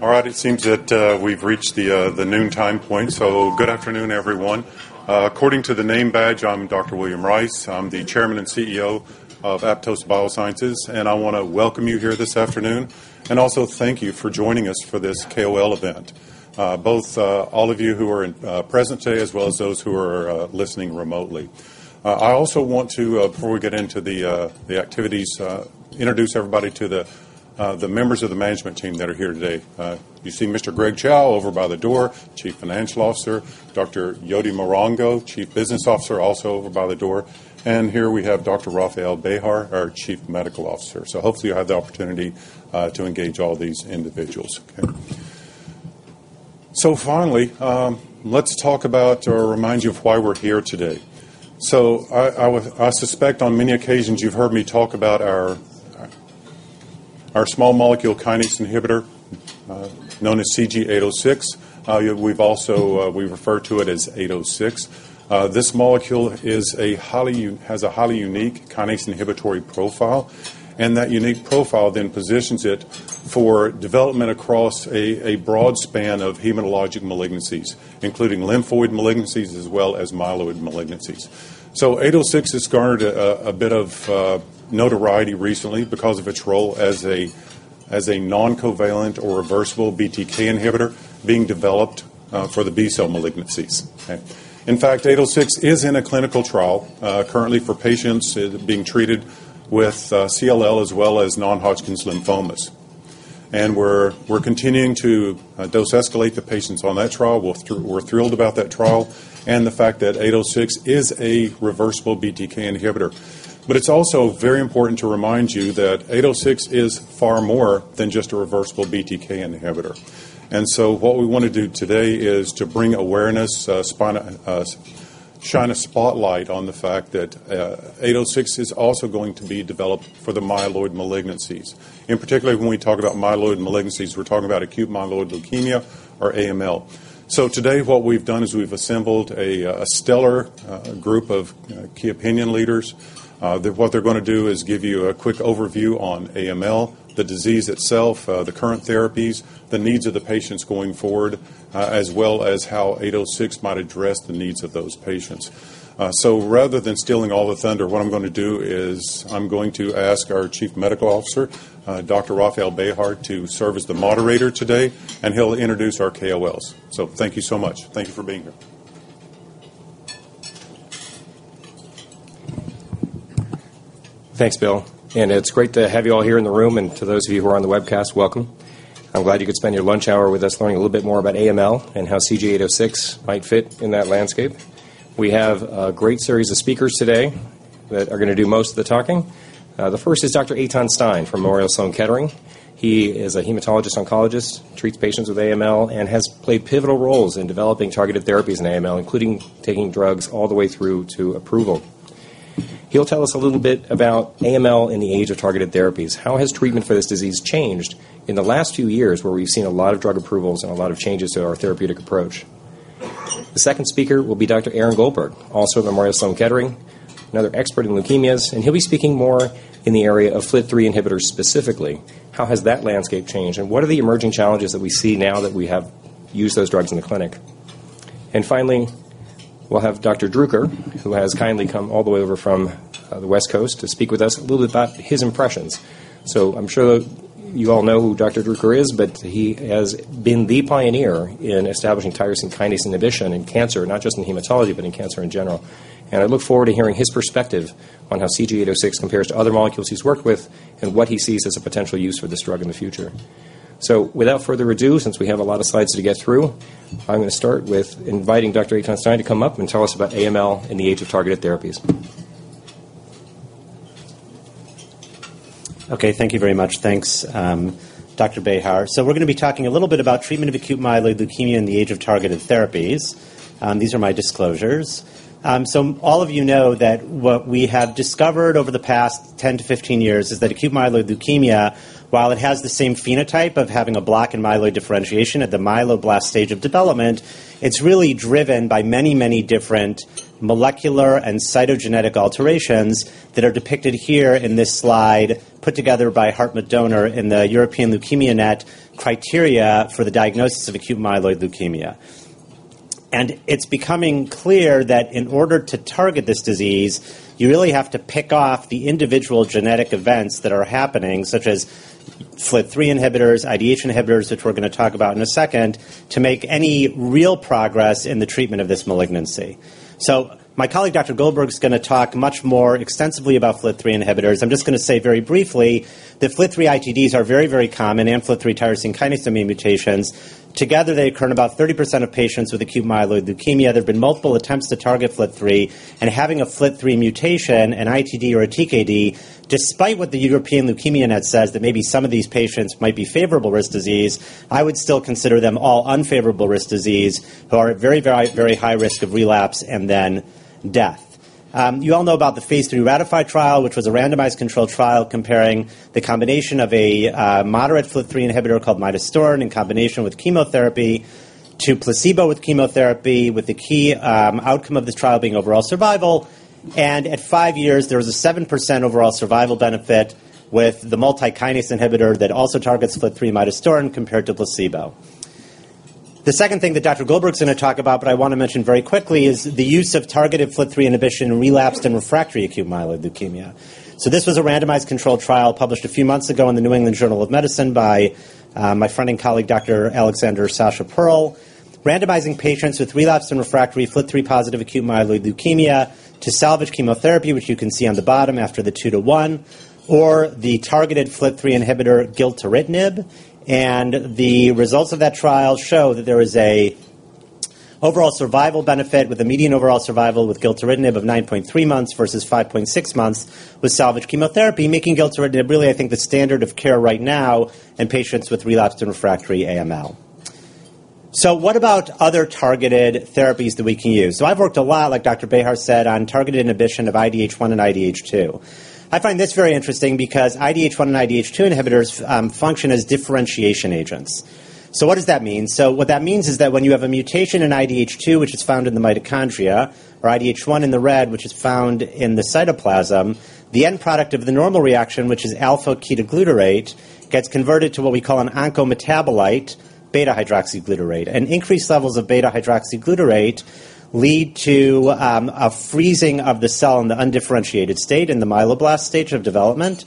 All right, it seems that we've reached the noon time point. So good afternoon, everyone. According to the name badge, I'm Dr. William Rice. I'm the Chairman and CEO of Aptose Biosciences, and I wanna welcome you here this afternoon, and also thank you for joining us for this KOL event. Both all of you who are present today, as well as those who are listening remotely. I also want to, before we get into the activities, introduce everybody to the members of the management team that are here today. You see Mr. Greg Chow over by the door, Chief Financial Officer. Dr. Jotin Marango, Chief Business Officer, also over by the door. And here we have Dr. Rafael Bejar, our Chief Medical Officer. So hopefully, you'll have the opportunity to engage all these individuals, okay? So finally, let's talk about or remind you of why we're here today. So I, I would—I suspect on many occasions you've heard me talk about our, our small molecule kinase inhibitor known as CG-806. We've also, we refer to it as eight oh six. This molecule has a highly unique kinase inhibitory profile, and that unique profile then positions it for development across a, a broad span of hematologic malignancies, including lymphoid malignancies as well as myeloid malignancies. So eight oh six has garnered a, a bit of notoriety recently because of its role as a, as a non-covalent or reversible BTK inhibitor being developed for the B-cell malignancies. Okay. In fact, CG-806 is in a clinical trial currently for patients being treated with CLL as well as non-Hodgkin's lymphomas. And we're continuing to dose escalate the patients on that trial. We're thrilled about that trial and the fact that CG-806 is a reversible BTK inhibitor. But it's also very important to remind you that CG-806 is far more than just a reversible BTK inhibitor. And so what we want to do today is to bring awareness, shine a spotlight on the fact that CG-806 is also going to be developed for the myeloid malignancies. In particular, when we talk about myeloid malignancies, we're talking about acute myeloid leukemia or AML. So today what we've done is we've assembled a stellar group of key opinion leaders. That's what they're gonna do is give you a quick overview on AML, the disease itself, the current therapies, the needs of the patients going forward, as well as how 806 might address the needs of those patients. Rather than stealing all the thunder, what I'm gonna do is I'm going to ask our Chief Medical Officer, Dr. Rafael Bejar, to serve as the moderator today, and he'll introduce our KOLs. Thank you so much. Thank you for being here. Thanks, Bill, and it's great to have you all here in the room, and to those of you who are on the webcast, welcome. I'm glad you could spend your lunch hour with us learning a little bit more about AML and how CG-806 might fit in that landscape. We have a great series of speakers today that are gonna do most of the talking. The first is Dr. Eytan Stein from Memorial Sloan Kettering. He is a hematologist oncologist, treats patients with AML, and has played pivotal roles in developing targeted therapies in AML, including taking drugs all the way through to approval. He'll tell us a little bit about AML in the age of targeted therapies. How has treatment for this disease changed in the last few years, where we've seen a lot of drug approvals and a lot of changes to our therapeutic approach? The second speaker will be Dr. Aaron Goldberg, also of Memorial Sloan Kettering, another expert in leukemias, and he'll be speaking more in the area of FLT3 inhibitors specifically. How has that landscape changed, and what are the emerging challenges that we see now that we have used those drugs in the clinic? And finally, we'll have Dr. Druker, who has kindly come all the way over from the West Coast to speak with us a little bit about his impressions. So I'm sure you all know who Dr. Druker is, but he has been the pioneer in establishing tyrosine kinase inhibition in cancer, not just in hematology, but in cancer in general. And I look forward to hearing his perspective on how CG-806 compares to other molecules he's worked with and what he sees as a potential use for this drug in the future. Without further ado, since we have a lot of slides to get through, I'm gonna start with inviting Dr. Eytan Stein to come up and tell us about AML in the age of targeted therapies. Okay, thank you very much. Thanks, Dr. Bejar. So we're gonna be talking a little bit about treatment of acute myeloid leukemia in the age of targeted therapies. These are my disclosures. So all of you know that what we have discovered over the past 10-15 years is that acute myeloid leukemia, while it has the same phenotype of having a block in myeloid differentiation at the myeloblast stage of development, it's really driven by many, many different molecular and cytogenetic alterations that are depicted here in this slide, put together by Hartmut Döhner in the European LeukemiaNet criteria for the diagnosis of acute myeloid leukemia. It's becoming clear that in order to target this disease, you really have to pick off the individual genetic events that are happening, such as FLT3 inhibitors, IDH inhibitors, which we're gonna talk about in a second, to make any real progress in the treatment of this malignancy. So my colleague, Dr. Goldberg, is gonna talk much more extensively about FLT3 inhibitors. I'm just gonna say very briefly that FLT3 ITDs are very, very common, and FLT3 tyrosine kinase domain mutations. Together, they occur in about 30% of patients with acute myeloid leukemia. There have been multiple attempts to target FLT3, and having a FLT3 mutation, an ITD or a TKD, despite what the European LeukemiaNet says, that maybe some of these patients might be favorable risk disease, I would still consider them all unfavorable risk disease, who are at very, very, very high risk of relapse and then death. You all know about the Phase III RATIFY trial, which was a randomized controlled trial comparing the combination of a moderate FLT3 inhibitor called midostaurin in combination with chemotherapy.... to placebo with chemotherapy, with the key outcome of this trial being overall survival. At five years, there was a 7% overall survival benefit with the multi-kinase inhibitor that also targets FLT3 mutation compared to placebo. The second thing that Dr. Goldberg is going to talk about, but I want to mention very quickly, is the use of targeted FLT3 inhibition in relapsed and refractory acute myeloid leukemia. This was a randomized controlled trial published a few months ago in the New England Journal of Medicine by my friend and colleague, Dr. Alexander Sasha Perl, randomizing patients with relapsed and refractory FLT3-positive acute myeloid leukemia to salvage chemotherapy, which you can see on the bottom after the 2-to-1, or the targeted FLT3 inhibitor, gilteritinib. The results of that trial show that there is an overall survival benefit, with a median overall survival with gilteritinib of 9.3 months versus 5.6 months with salvage chemotherapy, making gilteritinib really, I think, the standard of care right now in patients with relapsed and refractory AML. So what about other targeted therapies that we can use? So I've worked a lot, like Dr. Bejar said, on targeted inhibition of IDH1 and IDH2. I find this very interesting because IDH1 and IDH2 inhibitors function as differentiation agents. So what does that mean? So what that means is that when you have a mutation in IDH2, which is found in the mitochondria, or IDH1 in the red, which is found in the cytoplasm, the end product of the normal reaction, which is alpha-ketoglutarate, gets converted to what we call an oncometabolite, beta-hydroxyglutarate. Increased levels of beta-hydroxyglutarate lead to a freezing of the cell in the undifferentiated state, in the myeloblast stage of development.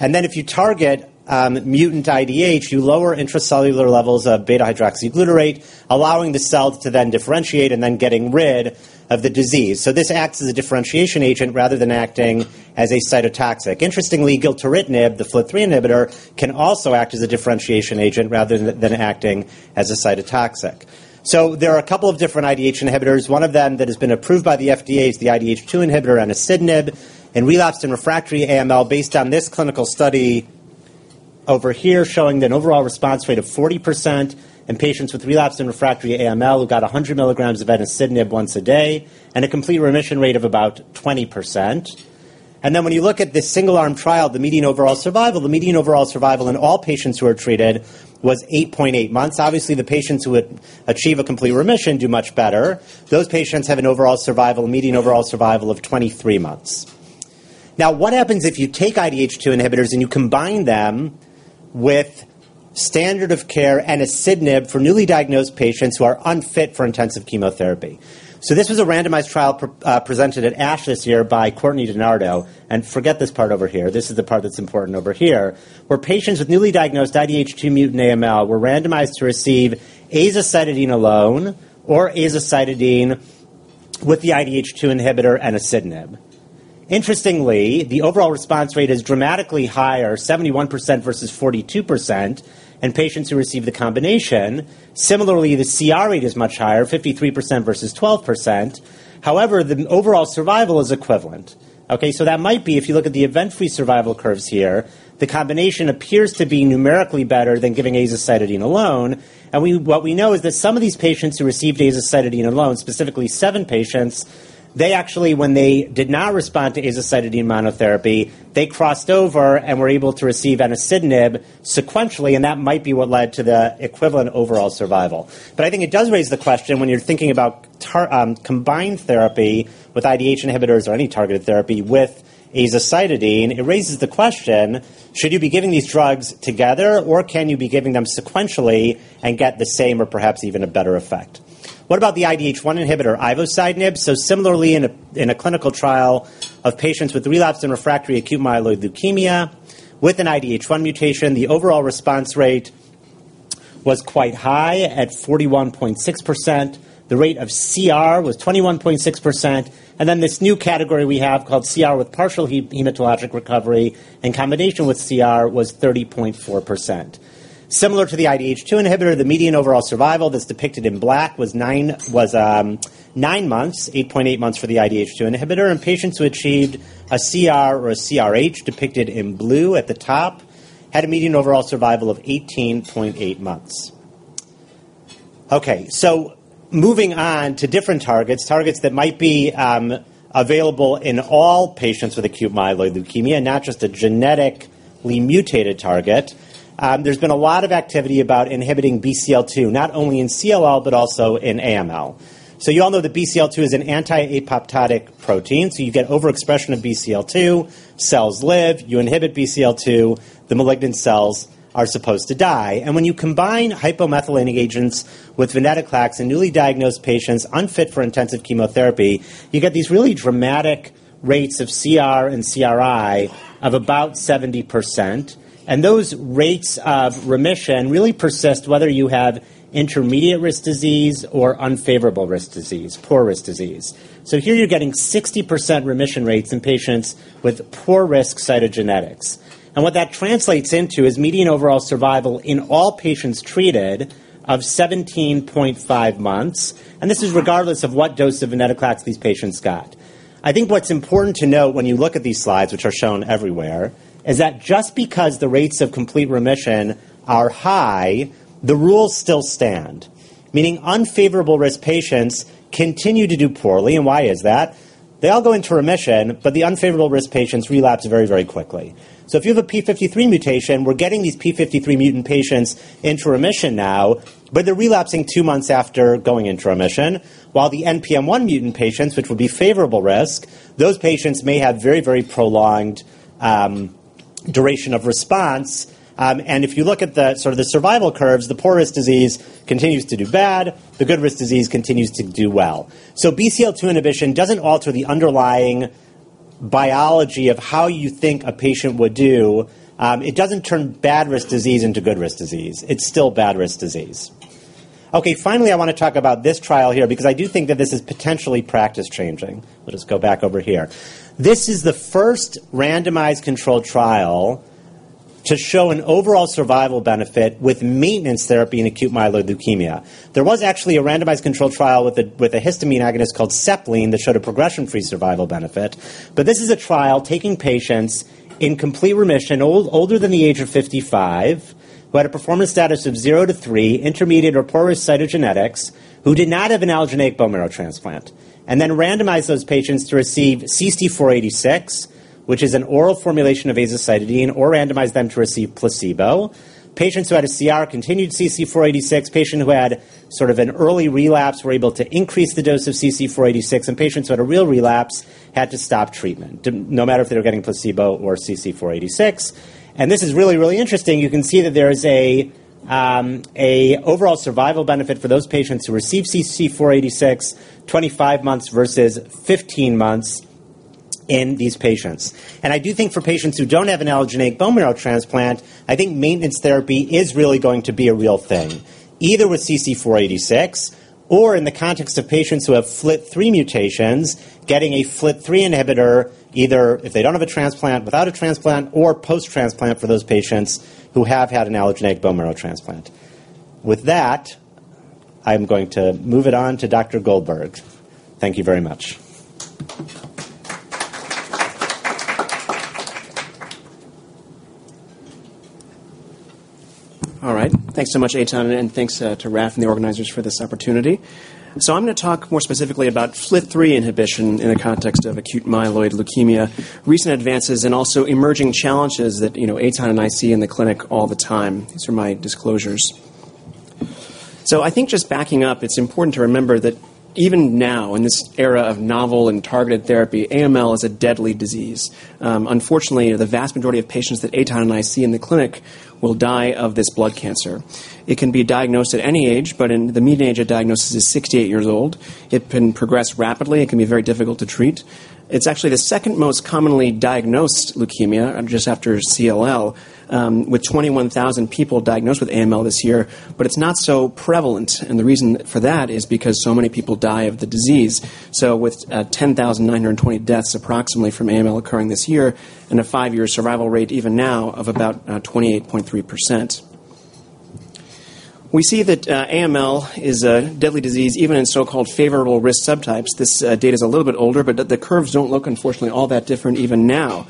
Then if you target mutant IDH, you lower intracellular levels of beta-hydroxyglutarate, allowing the cell to then differentiate and then getting rid of the disease. This acts as a differentiation agent rather than acting as a cytotoxic. Interestingly, gilteritinib, the FLT3 inhibitor, can also act as a differentiation agent rather than than acting as a cytotoxic. There are a couple of different IDH inhibitors. One of them that has been approved by the FDA is the IDH2 inhibitor, enasidenib, in relapsed and refractory AML, based on this clinical study over here, showing that an overall response rate of 40% in patients with relapsed and refractory AML, who got 100 mg of enasidenib once a day, and a complete remission rate of about 20%. And then when you look at this single-arm trial, the median overall survival, the median overall survival in all patients who are treated was 8.8 months. Obviously, the patients who would achieve a complete remission do much better. Those patients have an overall survival, median overall survival of 23 months. Now, what happens if you take IDH2 inhibitors and you combine them with standard of care, enasidenib, for newly diagnosed patients who are unfit for intensive chemotherapy? So this was a randomized trial presented at ASH this year by Courtney DiNardo, and forget this part over here. This is the part that's important over here, where patients with newly diagnosed IDH2 mutant AML were randomized to receive azacitidine alone or azacitidine with the IDH2 inhibitor, enasidenib. Interestingly, the overall response rate is dramatically higher, 71% versus 42%, in patients who received the combination. Similarly, the CR rate is much higher, 53% versus 12%. However, the overall survival is equivalent, okay? So that might be, if you look at the event-free survival curves here, the combination appears to be numerically better than giving azacitidine alone. And what we know is that some of these patients who received azacitidine alone, specifically seven patients, they actually, when they did not respond to azacitidine monotherapy, they crossed over and were able to receive enasidenib sequentially, and that might be what led to the equivalent overall survival. But I think it does raise the question, when you're thinking about targeted combined therapy with IDH inhibitors or any targeted therapy with azacitidine, it raises the question: Should you be giving these drugs together, or can you be giving them sequentially and get the same or perhaps even a better effect? What about the IDH1 inhibitor, ivosidenib? So similarly, in a clinical trial of patients with relapsed and refractory acute myeloid leukemia with an IDH1 mutation, the overall response rate was quite high at 41.6%. The rate of CR was 21.6%, and then this new category we have, called CR with partial hematologic recovery and combination with CR, was 30.4%. Similar to the IDH2 inhibitor, the median overall survival that's depicted in black was 9 months, 8.8 months for the IDH2 inhibitor, and patients who achieved a CR or a CRh, depicted in blue at the top, had a median overall survival of 18.8 months. Okay, so moving on to different targets, targets that might be available in all patients with acute myeloid leukemia, not just a genetically mutated target. There's been a lot of activity about inhibiting BCL-2, not only in CLL, but also in AML. So you all know that BCL-2 is an anti-apoptotic protein. So you get overexpression of BCL-2, cells live, you inhibit BCL-2, the malignant cells are supposed to die. And when you combine hypomethylating agents with venetoclax in newly diagnosed patients unfit for intensive chemotherapy, you get these really dramatic rates of CR and CRi of about 70%, and those rates of remission really persist whether you have intermediate risk disease or unfavorable risk disease, poor risk disease. So here you're getting 60% remission rates in patients with poor risk cytogenetics. And what that translates into is median overall survival in all patients treated of 17.5 months, and this is regardless of what dose of venetoclax these patients got. I think what's important to note when you look at these slides, which are shown everywhere, is that just because the rates of complete remission are high, the rules still stand. Meaning unfavorable risk patients continue to do poorly, and why is that? They all go into remission, but the unfavorable risk patients relapse very, very quickly. So if you have a p53 mutation, we're getting these p53 mutant patients into remission now, but they're relapsing 2 months after going into remission, while the NPM1 mutant patients, which would be favorable risk, those patients may have very, very prolonged duration of response. And if you look at the sort of the survival curves, the poorest disease continues to do bad, the good risk disease continues to do well. So BCL-2 inhibition doesn't alter the underlying biology of how you think a patient would do. It doesn't turn bad risk disease into good risk disease. It's still bad risk disease. Okay, finally, I want to talk about this trial here, because I do think that this is potentially practice-changing. Let us go back over here. This is the first randomized controlled trial to show an overall survival benefit with maintenance therapy in acute myeloid leukemia. There was actually a randomized controlled trial with a histamine agonist called Ceplene that showed a progression-free survival benefit. But this is a trial taking patients in complete remission, older than the age of 55, who had a performance status of 0-3, intermediate or poor cytogenetics, who did not have an allogeneic bone marrow transplant, and then randomized those patients to receive CC-486, which is an oral formulation of azacitidine, or randomized them to receive placebo. Patients who had a CR continued CC-486, patient who had sort of an early relapse were able to increase the dose of CC-486, and patients who had a real relapse had to stop treatment, no matter if they were getting placebo or CC-486. This is really, really interesting. You can see that there is a overall survival benefit for those patients who receive CC-486, 25 months versus 15 months in these patients. I do think for patients who don't have an allogeneic bone marrow transplant, I think maintenance therapy is really going to be a real thing, either with CC-486 or in the context of patients who have FLT3 mutations, getting a FLT3 inhibitor, either if they don't have a transplant, without a transplant, or post-transplant for those patients who have had an allogeneic bone marrow transplant. With that, I'm going to move it on to Dr. Goldberg. Thank you very much. All right. Thanks so much, Eytan, and thanks to Raf and the organizers for this opportunity. So I'm gonna talk more specifically about FLT3 inhibition in the context of acute myeloid leukemia, recent advances and also emerging challenges that, you know, Eytan and I see in the clinic all the time. These are my disclosures. So I think just backing up, it's important to remember that even now, in this era of novel and targeted therapy, AML is a deadly disease. Unfortunately, the vast majority of patients that Eytan and I see in the clinic will die of this blood cancer. It can be diagnosed at any age, but the median age at diagnosis is 68 years old. It can progress rapidly. It can be very difficult to treat. It's actually the second most commonly diagnosed leukemia, just after CLL, with 21,000 people diagnosed with AML this year, but it's not so prevalent, and the reason for that is because so many people die of the disease. So with 10,920 deaths approximately from AML occurring this year and a five-year survival rate even now of about 28.3%. We see that AML is a deadly disease, even in so-called favorable risk subtypes. This data is a little bit older, but the curves don't look, unfortunately, all that different even now.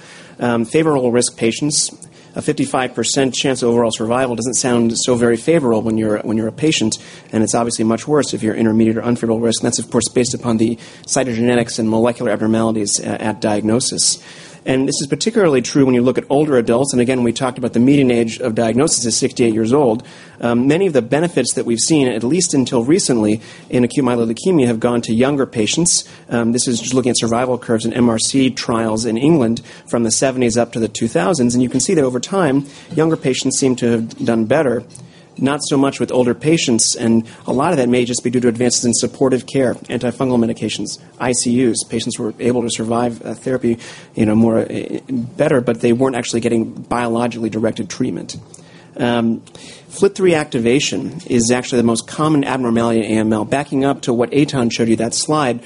Favorable risk patients, a 55% chance of overall survival doesn't sound so very favorable when you're, when you're a patient, and it's obviously much worse if you're intermediate or unfavorable risk, and that's of course, based upon the cytogenetics and molecular abnormalities at diagnosis. And this is particularly true when you look at older adults, and again, we talked about the median age of diagnosis is 68 years old. Many of the benefits that we've seen, at least until recently in acute myeloid leukemia, have gone to younger patients. This is just looking at survival curves in MRC trials in England from the 1970s up to the 2000s, and you can see that over time, younger patients seem to have done better, not so much with older patients, and a lot of that may just be due to advances in supportive care, antifungal medications, ICUs, patients who were able to survive therapy, you know, more better, but they weren't actually getting biologically directed treatment. FLT3 activation is actually the most common abnormality in AML. Backing up to what Eytan showed you, that slide,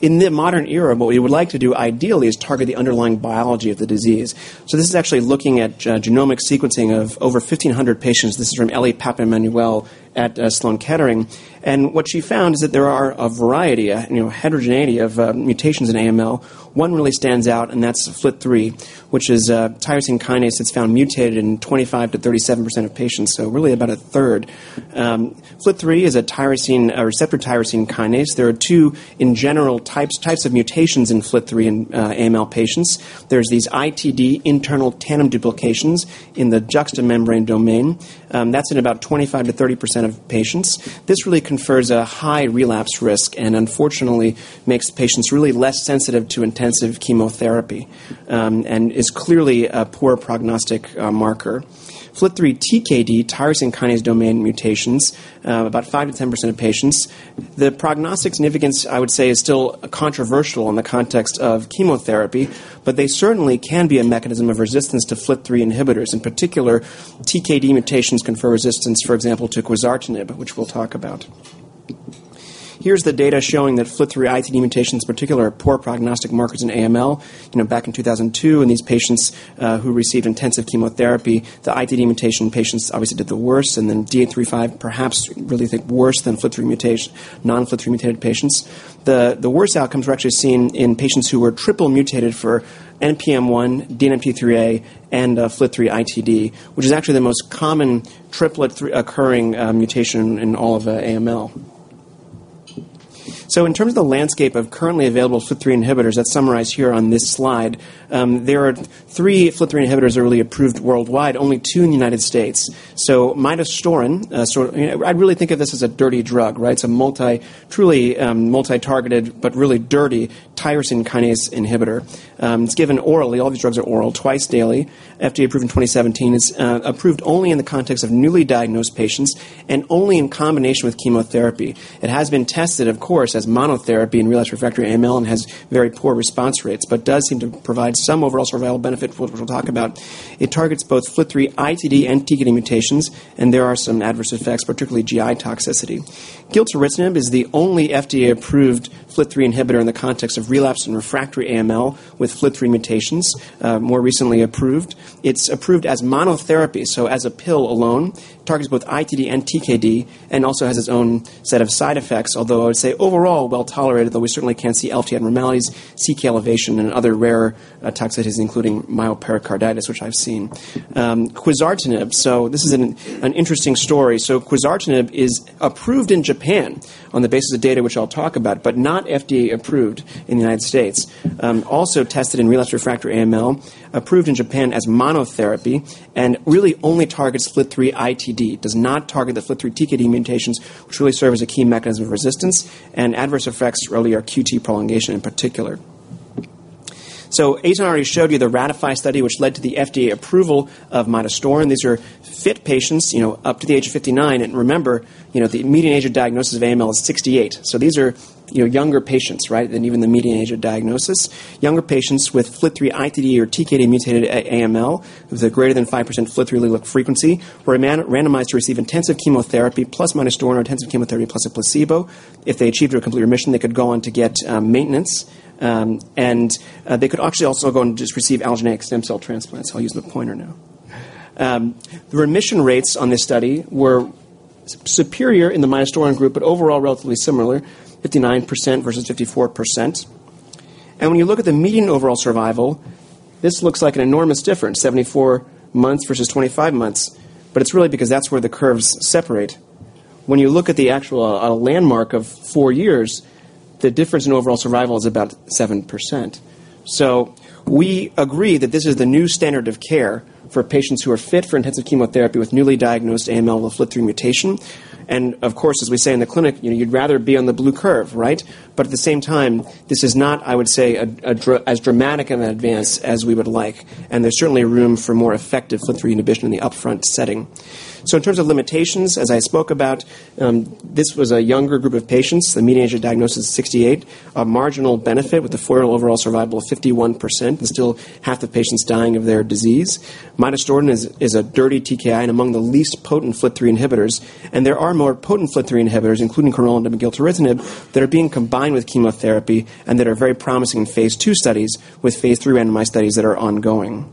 in the modern era, what we would like to do ideally is target the underlying biology of the disease. So this is actually looking at genomic sequencing of over 1,500 patients. This is from Elli Papaemmanuil at Sloan Kettering, and what she found is that there are a variety of, you know, heterogeneity of mutations in AML. One really stands out, and that's FLT3, which is a tyrosine kinase that's found mutated in 25%-37% of patients, so really about a third. FLT3 is a tyrosine, or receptor tyrosine kinase. There are two, in general, types of mutations in FLT3 in AML patients. There's these ITD, internal tandem duplications, in the juxtamembrane domain. That's in about 25%-30% of patients. This really confers a high relapse risk and unfortunately, makes patients really less sensitive to intensive chemotherapy, and is clearly a poor prognostic marker. FLT3-TKD, tyrosine kinase domain mutations, about 5%-10% of patients. The prognostic significance, I would say, is still controversial in the context of chemotherapy, but they certainly can be a mechanism of resistance to FLT3 inhibitors. In particular, TKD mutations confer resistance, for example, to quizartinib, which we'll talk about. Here's the data showing that FLT3 ITD mutations, in particular, are poor prognostic markers in AML. You know, back in 2002, in these patients who received intensive chemotherapy, the ITD mutation patients obviously did the worst, and then DNMT3A perhaps really think worse than FLT3 mutation, non-FLT3 mutated patients. The worst outcomes were actually seen in patients who were triple mutated for NPM1, DNMT3A, and FLT3 ITD, which is actually the most common triplet occurring mutation in all of the AML. So in terms of the landscape of currently available FLT3 inhibitors, that's summarized here on this slide, there are three FLT3 inhibitors already approved worldwide, only two in the United States. So midostaurin, so, you know, I'd really think of this as a dirty drug, right? It's a multi-targeted, but really dirty tyrosine kinase inhibitor. It's given orally, all these drugs are oral, twice daily. FDA approved in 2017. It's approved only in the context of newly diagnosed patients and only in combination with chemotherapy. It has been tested, of course, as monotherapy in relapsed refractory AML and has very poor response rates, but does seem to provide some overall survival benefit, which we'll talk about. It targets both FLT3-ITD and TKD mutations, and there are some adverse effects, particularly GI toxicity. Gilteritinib is the only FDA-approved FLT3 inhibitor in the context of relapsed and refractory AML with FLT3 mutations, more recently approved. It's approved as monotherapy, so as a pill alone, targets both ITD and TKD, and also has its own set of side effects, although I'd say overall, well-tolerated, though we certainly can see LFT abnormalities, CK elevation, and other rare toxicities, including myopericarditis, which I've seen. Quizartinib, so this is an interesting story. So quizartinib is approved in Japan on the basis of data which I'll talk about, but not FDA-approved in the United States. Also tested in relapsed refractory AML, approved in Japan as monotherapy, and really only targets FLT3-ITD, does not target the FLT3-TKD mutations, which really serve as a key mechanism of resistance, and adverse effects really are QT prolongation in particular. So Ethan already showed you the RATIFY study, which led to the FDA approval of midostaurin. These are fit patients, you know, up to the age of 59. And remember, you know, the median age of diagnosis of AML is 68. So these are, you know, younger patients, right, than even the median age of diagnosis. Younger patients with FLT3-ITD or FLT3-TKD mutated AML, with a greater than 5% FLT3 allele frequency, were randomized to receive intensive chemotherapy, plus midostaurin or intensive chemotherapy plus a placebo. If they achieved a complete remission, they could go on to get maintenance, and they could actually also go and just receive allogeneic stem cell transplants. So I'll use the pointer now. The remission rates on this study were superior in the midostaurin group, but overall, relatively similar, 59% versus 54%. When you look at the median overall survival, this looks like an enormous difference, 74 months versus 25 months, but it's really because that's where the curves separate. When you look at the actual landmark of four years, the difference in overall survival is about 7%. So we agree that this is the new standard of care for patients who are fit for intensive chemotherapy with newly diagnosed AML with FLT3 mutation. And of course, as we say in the clinic, you know, you'd rather be on the blue curve, right? But at the same time, this is not, I would say, a dramatic advance as we would like, and there's certainly room for more effective FLT3 inhibition in the upfront setting. So in terms of limitations, as I spoke about, this was a younger group of patients, the mean age of diagnosis, 68, a marginal benefit with the four-year overall survival of 51%, and still half the patients dying of their disease. Midostaurin is a dirty TKI and among the least potent FLT3 inhibitors, and there are more potent FLT3 inhibitors, including crenolanib and gilteritinib, that are being combined with chemotherapy and that are very promising in phase II studies, with phase III randomized studies that are ongoing.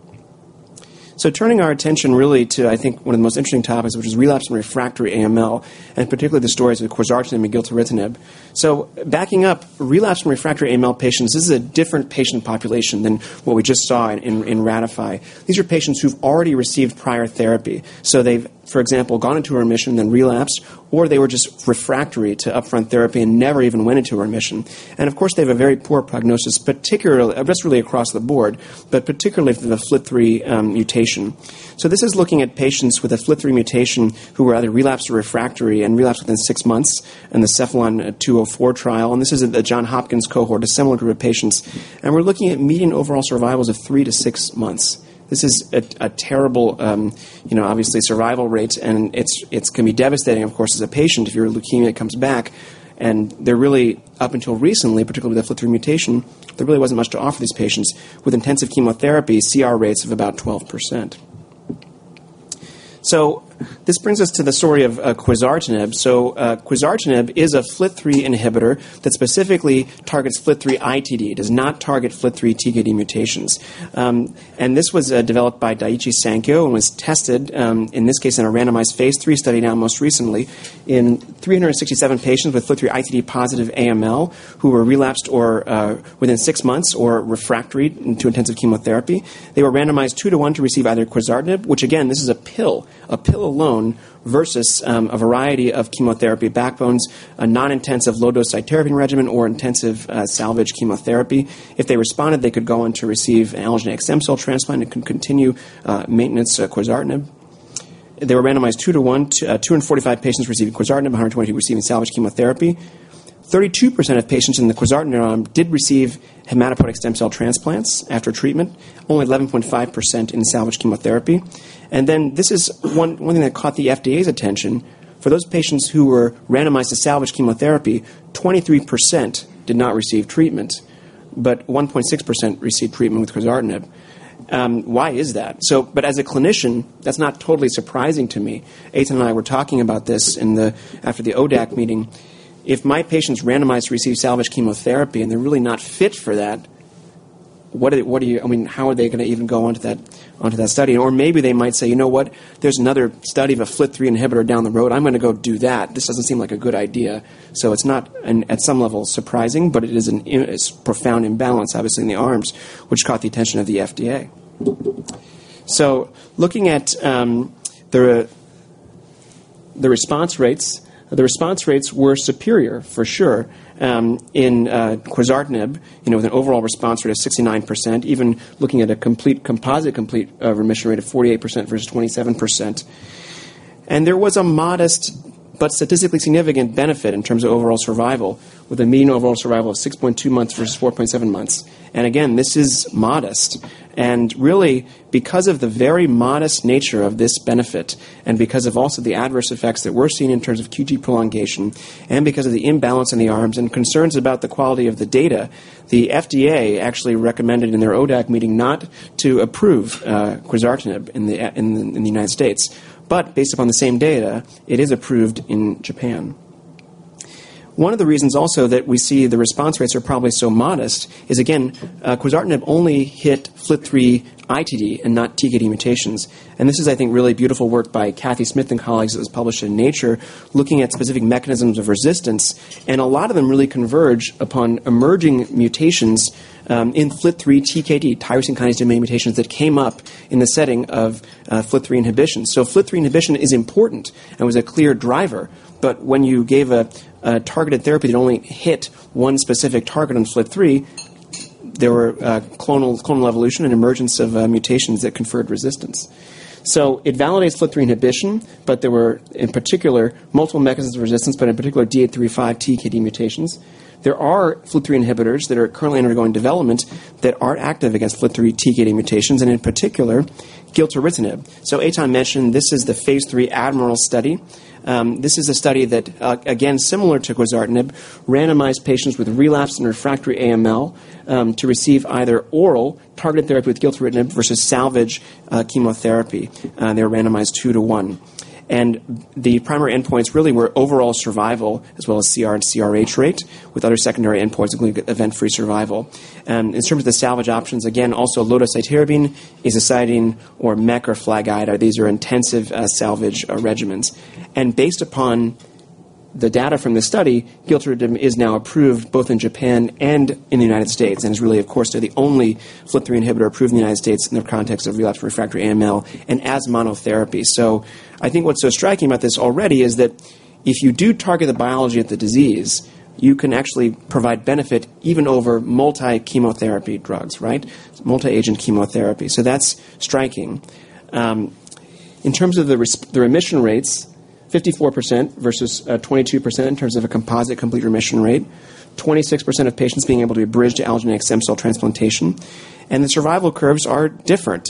So turning our attention really to, I think, one of the most interesting topics, which is relapsed and refractory AML, and particularly the stories of quizartinib and gilteritinib. So backing up, relapsed and refractory AML patients, this is a different patient population than what we just saw in RATIFY. These are patients who've already received prior therapy, so they've, for example, gone into remission, then relapsed, or they were just refractory to upfront therapy and never even went into remission. And of course, they have a very poor prognosis, particularly, just really across the board, but particularly for the FLT3 mutation. So this is looking at patients with a FLT3 mutation who were either relapsed or refractory and relapsed within 6 months in the Cephalon 204 trial, and this is a Johns Hopkins cohort, a similar group of patients. And we're looking at median overall survivals of 3-6 months. This is a terrible, you know, obviously, survival rate, and it's gonna be devastating, of course, as a patient, if your leukemia comes back, and there really, up until recently, particularly with the FLT3 mutation, there really wasn't much to offer these patients. With intensive chemotherapy, CR rates of about 12%. So this brings us to the story of quizartinib. So quizartinib is a FLT3 inhibitor that specifically targets FLT3-ITD, does not target FLT3-TKD mutations. And this was developed by Daiichi Sankyo and was tested in this case in a randomized phase III study, now most recently, in 367 patients with FLT3-ITD positive AML, who were relapsed or within six months or refractory to intensive chemotherapy. They were randomized 2 to 1 to receive either quizartinib, which again, this is a pill, a pill alone, versus a variety of chemotherapy backbones, a non-intensive low-dose cytarabine regimen, or intensive salvage chemotherapy. If they responded, they could go on to receive an allogeneic stem cell transplant and could continue maintenance quizartinib. They were randomized 2 to 1, 245 patients received quizartinib, 120 received salvage chemotherapy. 32% of patients in the quizartinib arm did receive hematopoietic stem cell transplants after treatment, only 11.5% in the salvage chemotherapy. Then this is one thing that caught the FDA's attention. For those patients who were randomized to salvage chemotherapy, 23% did not receive treatment, but 1.6% received treatment with quizartinib. Why is that? So, but as a clinician, that's not totally surprising to me. Eytan and I were talking about this after the ODAC meeting. If my patient's randomized to receive salvage chemotherapy, and they're really not fit for that, what do you... I mean, how are they gonna even go onto that, onto that study? Or maybe they might say, "You know what? There's another study of a FLT3 inhibitor down the road. I'm gonna go do that. This doesn't seem like a good idea." So it's not, at some level, surprising, but it is a profound imbalance, obviously, in the arms, which caught the attention of the FDA. So looking at, the... The response rates, the response rates were superior for sure, in quizartinib, you know, with an overall response rate of 69%, even looking at a complete composite, complete, remission rate of 48% versus 27%. There was a modest but statistically significant benefit in terms of overall survival, with a mean overall survival of 6.2 months versus 4.7 months. Again, this is modest and really because of the very modest nature of this benefit and because of also the adverse effects that we're seeing in terms of QT prolongation and because of the imbalance in the arms and concerns about the quality of the data, the FDA actually recommended in their ODAC meeting not to approve quizartinib in the United States. Based upon the same data, it is approved in Japan. One of the reasons also that we see the response rates are probably so modest is, again, quizartinib only hit FLT3-ITD and not TKD mutations. And this is, I think, really beautiful work by Cathy Smith and colleagues that was published in Nature, looking at specific mechanisms of resistance. And a lot of them really converge upon emerging mutations in FLT3-TKD, tyrosine kinase domain mutations, that came up in the setting of FLT3 inhibition. So FLT3 inhibition is important and was a clear driver, but when you gave a targeted therapy that only hit one specific target on FLT3, there were clonal evolution and emergence of mutations that conferred resistance. So it validates FLT3 inhibition, but there were, in particular, multiple mechanisms of resistance, but in particular, D835 TKD mutations. There are FLT3 inhibitors that are currently undergoing development that are active against FLT3 TKD mutations, and in particular, gilteritinib. So Eytan mentioned this is the phase III ADMIRAL study. This is a study that, again, similar to quizartinib, randomized patients with relapsed and refractory AML to receive either oral targeted therapy with gilteritinib versus salvage chemotherapy. They were randomized 2:1. And the primary endpoints really were overall survival, as well as CR and CRh rate, with other secondary endpoints, including event-free survival. And in terms of the salvage options, again, also low-dose cytarabine, azacitidine, or MEC or FLAG-IDA. These are intensive salvage regimens. Based upon the data from this study, gilteritinib is now approved both in Japan and in the United States, and is really, of course, the only FLT3 inhibitor approved in the United States in the context of relapsed refractory AML and as monotherapy. So I think what's so striking about this already is that if you do target the biology of the disease, you can actually provide benefit even over multi-chemotherapy drugs, right? Multi-agent chemotherapy. So that's striking. In terms of the remission rates, 54% versus 22% in terms of a composite complete remission rate. 26% of patients being able to be bridged to allogeneic stem cell transplantation, and the survival curves are different.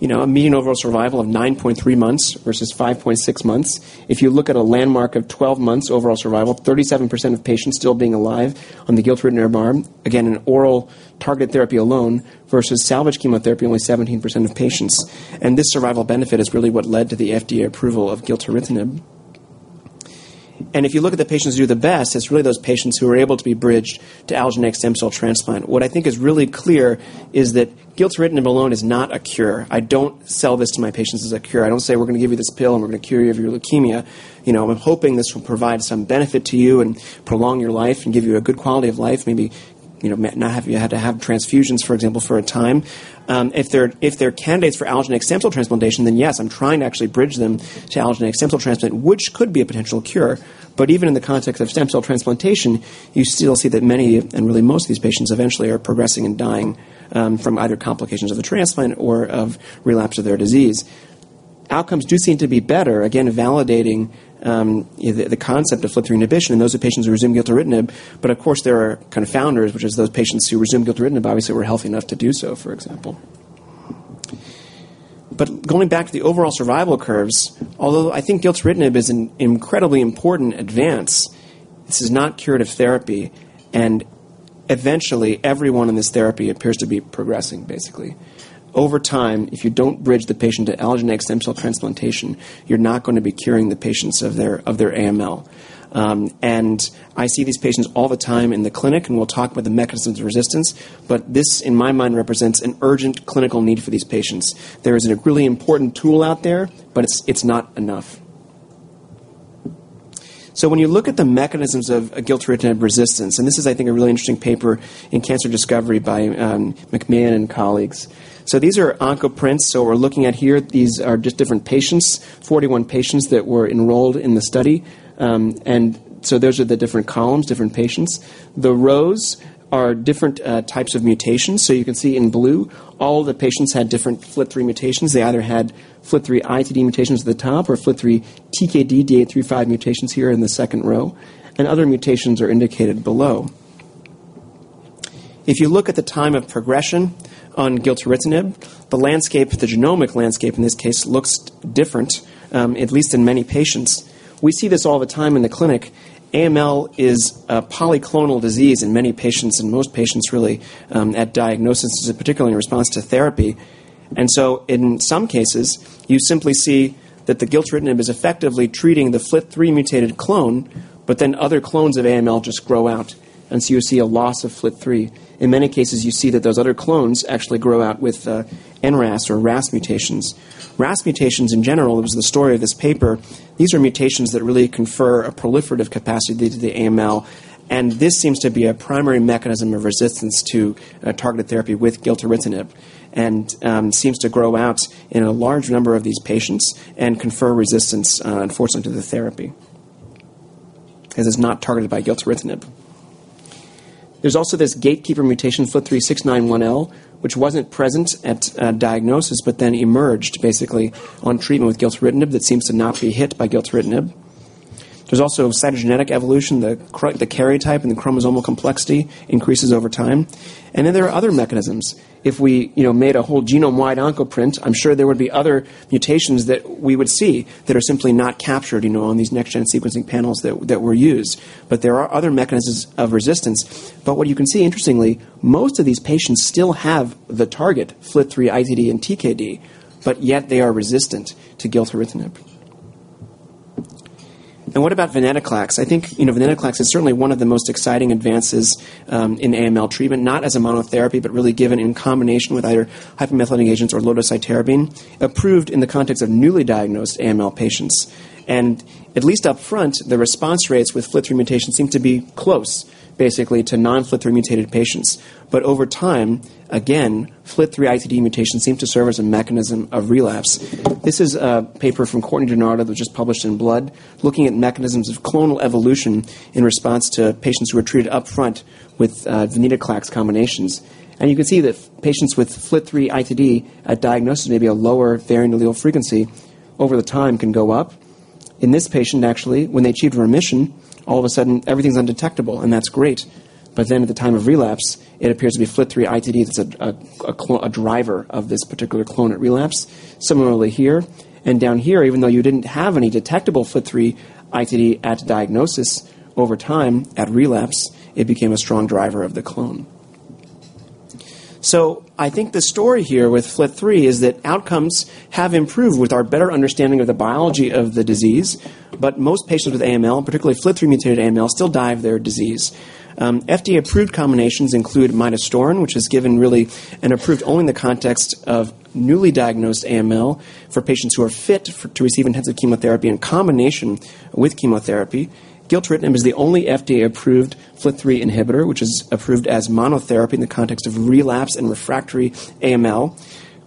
You know, a mean overall survival of 9.3 months versus 5.6 months. If you look at a landmark of 12 months overall survival, 37% of patients still being alive on the gilteritinib arm. Again, an oral targeted therapy alone versus salvage chemotherapy, only 17% of patients. This survival benefit is really what led to the FDA approval of gilteritinib. If you look at the patients who do the best, it's really those patients who are able to be bridged to allogeneic stem cell transplant. What I think is really clear is that gilteritinib alone is not a cure. I don't sell this to my patients as a cure. I don't say, "We're gonna give you this pill, and we're gonna cure you of your leukemia." You know, I'm hoping this will provide some benefit to you and prolong your life and give you a good quality of life. Maybe, you know, not have you had to have transfusions, for example, for a time. If they're candidates for allogeneic stem cell transplantation, then yes, I'm trying to actually bridge them to allogeneic stem cell transplant, which could be a potential cure. But even in the context of stem cell transplantation, you still see that many, and really most of these patients, eventually are progressing and dying, from either complications of the transplant or of relapse of their disease. Outcomes do seem to be better, again, validating the concept of FLT3 inhibition in those patients who resume gilteritinib. But of course, there are confounders, which is those patients who resumed gilteritinib obviously were healthy enough to do so, for example. But going back to the overall survival curves, although I think gilteritinib is an incredibly important advance, this is not curative therapy, and eventually, everyone in this therapy appears to be progressing, basically. Over time, if you don't bridge the patient to allogeneic stem cell transplantation, you're not going to be curing the patients of their, of their AML. And I see these patients all the time in the clinic, and we'll talk about the mechanisms of resistance, but this, in my mind, represents an urgent clinical need for these patients. There is a really important tool out there, but it's, it's not enough. So when you look at the mechanisms of gilteritinib resistance, and this is, I think, a really interesting paper in Cancer Discovery by McMahon and colleagues. So these are oncoprints. So we're looking at here, these are just different patients, 41 patients that were enrolled in the study. And so those are the different columns, different patients. The rows are different, types of mutations. So you can see in blue, all the patients had different FLT3 mutations. They either had FLT3-ITD mutations at the top or FLT3-TKD D835 mutations here in the second row, and other mutations are indicated below. If you look at the time of progression on gilteritinib, the landscape, the genomic landscape in this case, looks different, at least in many patients. We see this all the time in the clinic. AML is a polyclonal disease in many patients, in most patients really, at diagnosis, particularly in response to therapy. And so in some cases, you simply see that the gilteritinib is effectively treating the FLT3-mutated clone, but then other clones of AML just grow out, and so you see a loss of FLT3. In many cases, you see that those other clones actually grow out with NRAS or RAS mutations. RAS mutations in general, it was the story of this paper, these are mutations that really confer a proliferative capacity to the AML, and this seems to be a primary mechanism of resistance to a targeted therapy with gilteritinib, and seems to grow out in a large number of these patients and confer resistance, unfortunately, to the therapy.... 'cause it's not targeted by gilteritinib. There's also this gatekeeper mutation, FLT3 F691L, which wasn't present at diagnosis, but then emerged basically on treatment with gilteritinib, that seems to not be hit by gilteritinib. There's also cytogenetic evolution, the karyotype and the chromosomal complexity increases over time. Then there are other mechanisms. If we, you know, made a whole genome-wide oncoprint, I'm sure there would be other mutations that we would see that are simply not captured, you know, on these next-gen sequencing panels that were used. But there are other mechanisms of resistance. But what you can see, interestingly, most of these patients still have the target FLT3-ITD and TKD, but yet they are resistant to gilteritinib. And what about venetoclax? I think, you know, venetoclax is certainly one of the most exciting advances in AML treatment, not as a monotherapy, but really given in combination with either hypomethylating agents or low-dose cytarabine, approved in the context of newly diagnosed AML patients. At least up front, the response rates with FLT3 mutations seem to be close, basically, to non-FLT3-mutated patients. But over time, again, FLT3-ITD mutations seem to serve as a mechanism of relapse. This is a paper from Courtney DiNardo that just published in Blood, looking at mechanisms of clonal evolution in response to patients who were treated up front with venetoclax combinations. And you can see that patients with FLT3-ITD at diagnosis, maybe a lower varying allele frequency, over the time, can go up. In this patient, actually, when they achieved remission, all of a sudden, everything's undetectable, and that's great. But then at the time of relapse, it appears to be FLT3-ITD that's a driver of this particular clone at relapse. Similarly here, and down here, even though you didn't have any detectable FLT3-ITD at diagnosis, over time, at relapse, it became a strong driver of the clone. So I think the story here with FLT3 is that outcomes have improved with our better understanding of the biology of the disease. But most patients with AML, particularly FLT3-mutated AML, still die of their disease. FDA-approved combinations include midostaurin, which is given really and approved only in the context of newly diagnosed AML, for patients who are fit to receive intensive chemotherapy in combination with chemotherapy. Gilteritinib is the only FDA-approved FLT3 inhibitor, which is approved as monotherapy in the context of relapse and refractory AML.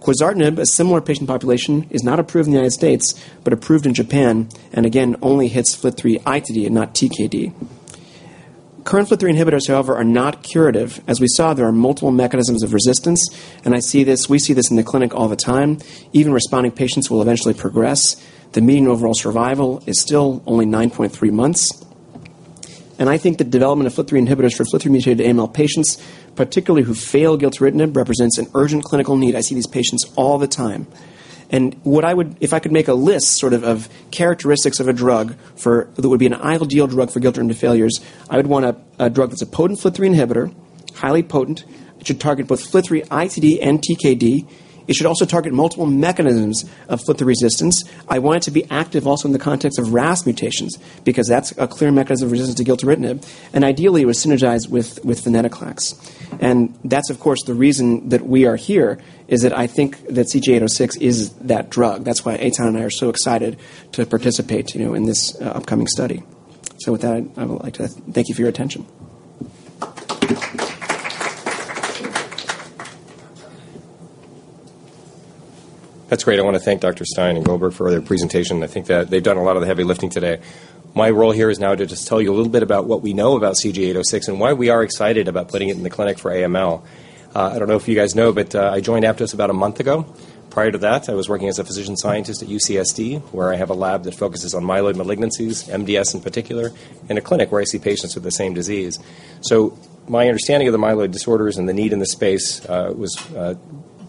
Quizartinib, a similar patient population, is not approved in the United States, but approved in Japan, and again, only hits FLT3-ITD and not TKD. Current FLT3 inhibitors, however, are not curative. As we saw, there are multiple mechanisms of resistance, and I see this, we see this in the clinic all the time. Even responding patients will eventually progress. The mean overall survival is still only 9.3 months. And I think the development of FLT3 inhibitors for FLT3-mutated AML patients, particularly who fail gilteritinib, represents an urgent clinical need. I see these patients all the time. And what I would... If I could make a list sort of, of characteristics of a drug for, that would be an ideal drug for gilteritinib failures, I would want a, a drug that's a potent FLT3 inhibitor, highly potent. It should target both FLT3 ITD and TKD. It should also target multiple mechanisms of FLT3 resistance. I want it to be active also in the context of RAS mutations, because that's a clear mechanism of resistance to gilteritinib, and ideally, it would synergize with venetoclax. That's, of course, the reason that we are here, is that I think that CG-806 is that drug. That's why Eytan and I are so excited to participate, you know, in this upcoming study. So with that, I would like to thank you for your attention. That's great. I wanna thank Dr. Stein and Goldberg for their presentation. I think that they've done a lot of the heavy lifting today. My role here is now to just tell you a little bit about what we know about CG-806 and why we are excited about putting it in the clinic for AML. I don't know if you guys know, but I joined Aptose about a month ago. Prior to that, I was working as a physician scientist at UCSD, where I have a lab that focuses on myeloid malignancies, MDS in particular, and a clinic where I see patients with the same disease. So my understanding of the myeloid disorders and the need in this space was...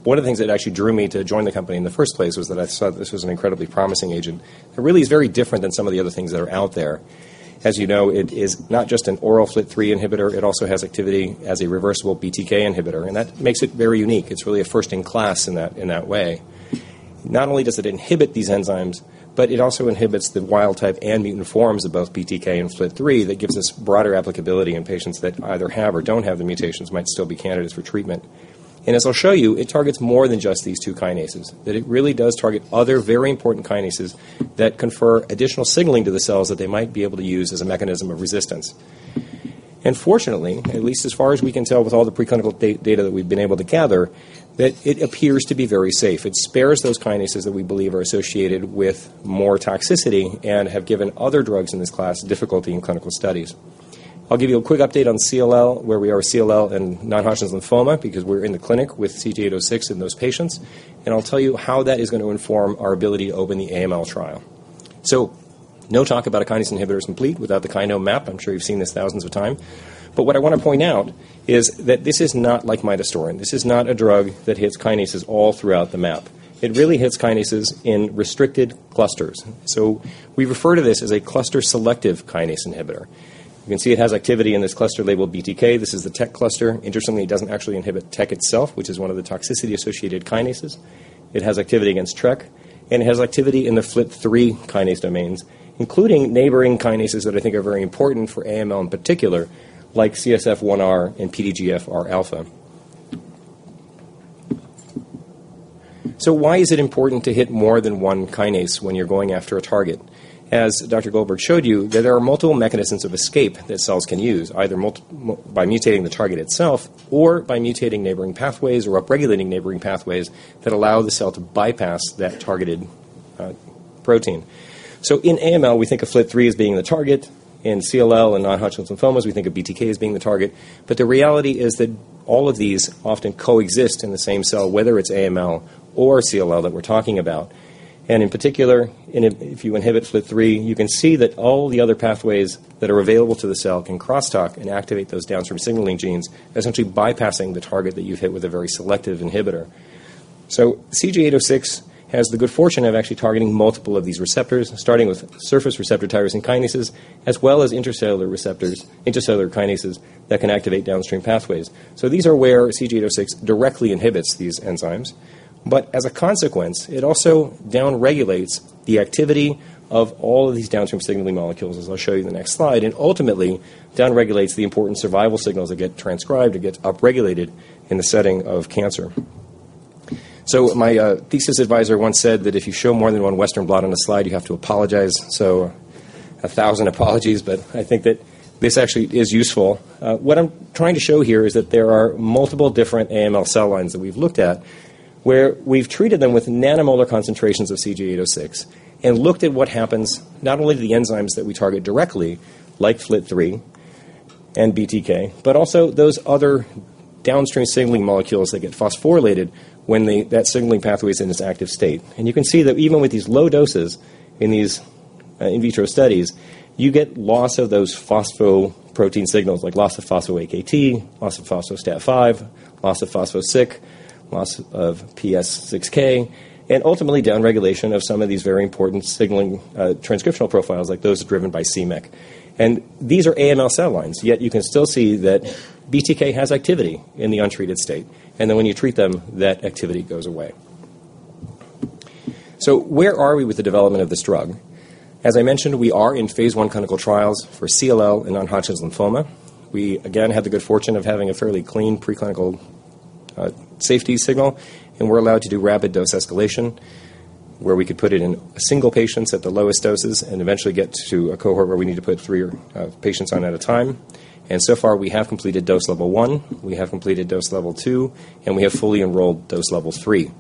One of the things that actually drew me to join the company in the first place, was that I saw that this was an incredibly promising agent. It really is very different than some of the other things that are out there. As you know, it is not just an oral FLT3 inhibitor, it also has activity as a reversible BTK inhibitor, and that makes it very unique. It's really a first in class in that, in that way. Not only does it inhibit these enzymes, but it also inhibits the wild-type and mutant forms of both BTK and FLT3 that gives us broader applicability in patients that either have or don't have the mutations, might still be candidates for treatment. And as I'll show you, it targets more than just these two kinases, that it really does target other very important kinases that confer additional signaling to the cells that they might be able to use as a mechanism of resistance. And fortunately, at least as far as we can tell, with all the preclinical data that we've been able to gather, that it appears to be very safe. It spares those kinases that we believe are associated with more toxicity and have given other drugs in this class difficulty in clinical studies. I'll give you a quick update on CLL, where we are with CLL and non-Hodgkin's lymphoma, because we're in the clinic with CG-806 in those patients, and I'll tell you how that is gonna inform our ability to open the AML trial. So no talk about a kinase inhibitor is complete without the kinome map. I'm sure you've seen this thousands of times. But what I wanna point out is that this is not like midostaurin. This is not a drug that hits kinases all throughout the map. It really hits kinases in restricted clusters. So we refer to this as a cluster selective kinase inhibitor. You can see it has activity in this cluster labeled BTK. This is the TEC cluster. Interestingly, it doesn't actually inhibit TEC itself, which is one of the toxicity-associated kinases. It has activity against TRK, and it has activity in the FLT3 kinase domains, including neighboring kinases that I think are very important for AML in particular, like CSF1R and PDGFR alpha. So why is it important to hit more than one kinase when you're going after a target? As Dr. Goldberg showed you, there are multiple mechanisms of escape that cells can use, either by mutating the target itself or by mutating neighboring pathways or upregulating neighboring pathways that allow the cell to bypass that targeted protein. So in AML, we think of FLT3 as being the target. In CLL and non-Hodgkin's lymphomas, we think of BTK as being the target. But the reality is that all of these often coexist in the same cell, whether it's AML or CLL that we're talking about. And in particular, if you inhibit FLT3, you can see that all the other pathways that are available to the cell can crosstalk and activate those downstream signaling genes, essentially bypassing the target that you've hit with a very selective inhibitor. So CG-806 has the good fortune of actually targeting multiple of these receptors, starting with surface receptor tyrosine kinases, as well as intracellular receptors, intracellular kinases that can activate downstream pathways. So these are where CG-806 directly inhibits these enzymes. But as a consequence, it also downregulates the activity of all of these downstream signaling molecules, as I'll show you in the next slide, and ultimately downregulates the important survival signals that get transcribed and get upregulated in the setting of cancer. So my thesis advisor once said that if you show more than one Western blot on a slide, you have to apologize. So a thousand apologies, but I think that this actually is useful. What I'm trying to show here is that there are multiple different AML cell lines that we've looked at, where we've treated them with nanomolar concentrations of CG-806 and looked at what happens not only to the enzymes that we target directly, like FLT3 and BTK, but also those other downstream signaling molecules that get phosphorylated when that signaling pathway is in its active state. And you can see that even with these low doses in these in vitro studies, you get loss of those phosphoprotein signals, like loss of phospho-AKT, loss of phospho-STAT5, loss of phospho-SYK, loss of pS6K, and ultimately downregulation of some of these very important signaling transcriptional profiles like those driven by c-MYC. These are AML cell lines, yet you can still see that BTK has activity in the untreated state, and then when you treat them, that activity goes away. So where are we with the development of this drug? As I mentioned, we are in phase I clinical trials for CLL and non-Hodgkin's lymphoma. We again, have the good fortune of having a fairly clean preclinical, safety signal, and we're allowed to do rapid dose escalation, where we could put it in single patients at the lowest doses and eventually get to a cohort where we need to put three, patients on at a time. And so far, we have completed dose level one, we have completed dose level two, and we have fully enrolled dose level three.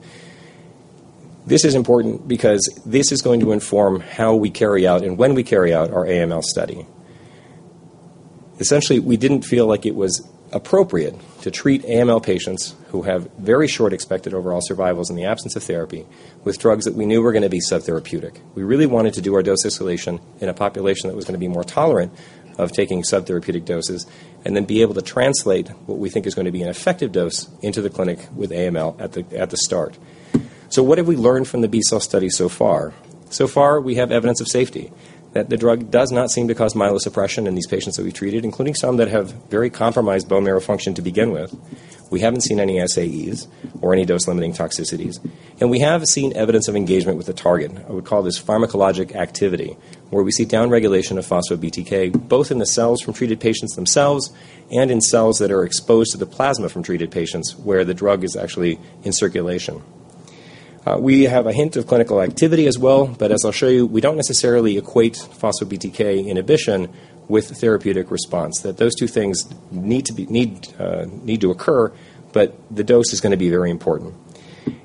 This is important because this is going to inform how we carry out and when we carry out our AML study. Essentially, we didn't feel like it was appropriate to treat AML patients who have very short expected overall survivals in the absence of therapy with drugs that we knew were gonna be subtherapeutic. We really wanted to do our dose escalation in a population that was gonna be more tolerant of taking subtherapeutic doses, and then be able to translate what we think is going to be an effective dose into the clinic with AML at the start. So what have we learned from the B-cell study so far? So far, we have evidence of safety, that the drug does not seem to cause myelosuppression in these patients that we treated, including some that have very compromised bone marrow function to begin with. We haven't seen any SAEs or any dose-limiting toxicities, and we have seen evidence of engagement with the target. I would call this pharmacologic activity, where we see downregulation of phospho-BTK, both in the cells from treated patients themselves and in cells that are exposed to the plasma from treated patients, where the drug is actually in circulation. We have a hint of clinical activity as well, but as I'll show you, we don't necessarily equate phospho-BTK inhibition with therapeutic response. That those two things need to be, need, need to occur, but the dose is gonna be very important.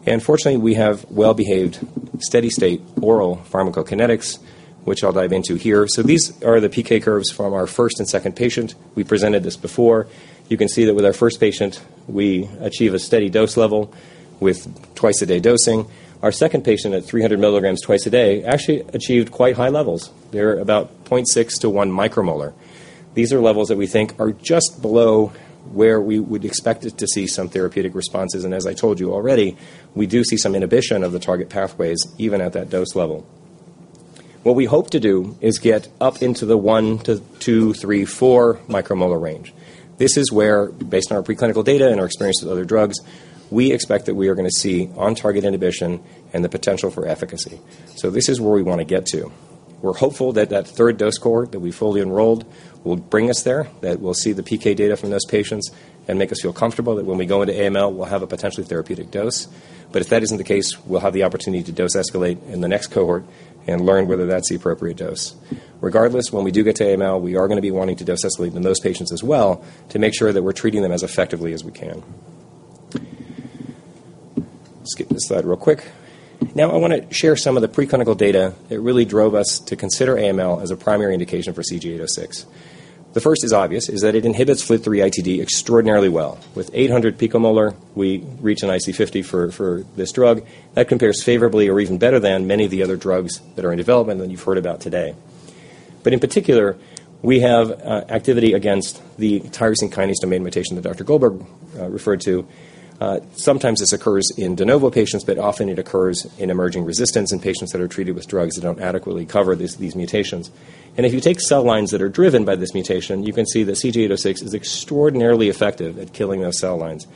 And fortunately, we have well-behaved, steady-state oral pharmacokinetics, which I'll dive into here. So these are the PK curves from our first and second patient. We presented this before. You can see that with our first patient, we achieve a steady dose level with twice-a-day dosing. Our second patient at 300 milligrams twice a day actually achieved quite high levels. They're about 0.6-1 micromolar. These are levels that we think are just below where we would expect to see some therapeutic responses. As I told you already, we do see some inhibition of the target pathways, even at that dose level. What we hope to do is get up into the 1 to 2, 3, 4 micromolar range. This is where, based on our preclinical data and our experience with other drugs, we expect that we are gonna see on-target inhibition and the potential for efficacy. This is where we want to get to. We're hopeful that that third dose cohort that we fully enrolled will bring us there, that we'll see the PK data from those patients and make us feel comfortable that when we go into AML, we'll have a potentially therapeutic dose. But if that isn't the case, we'll have the opportunity to dose escalate in the next cohort and learn whether that's the appropriate dose. Regardless, when we do get to AML, we are gonna be wanting to dose escalate in those patients as well, to make sure that we're treating them as effectively as we can. Skip this slide real quick. Now, I wanna share some of the preclinical data that really drove us to consider AML as a primary indication for CG-806. The first is obvious, is that it inhibits FLT3-ITD extraordinarily well. With 800 picomolar, we reach an IC50 for this drug. That compares favorably or even better than many of the other drugs that are in development that you've heard about today. But in particular, we have activity against the tyrosine kinase domain mutation that Dr. Goldberg referred to. Sometimes this occurs in de novo patients, but often it occurs in emerging resistance in patients that are treated with drugs that don't adequately cover these mutations. And if you take cell lines that are driven by this mutation, you can see that CG-806 is extraordinarily effective at killing those cell lines.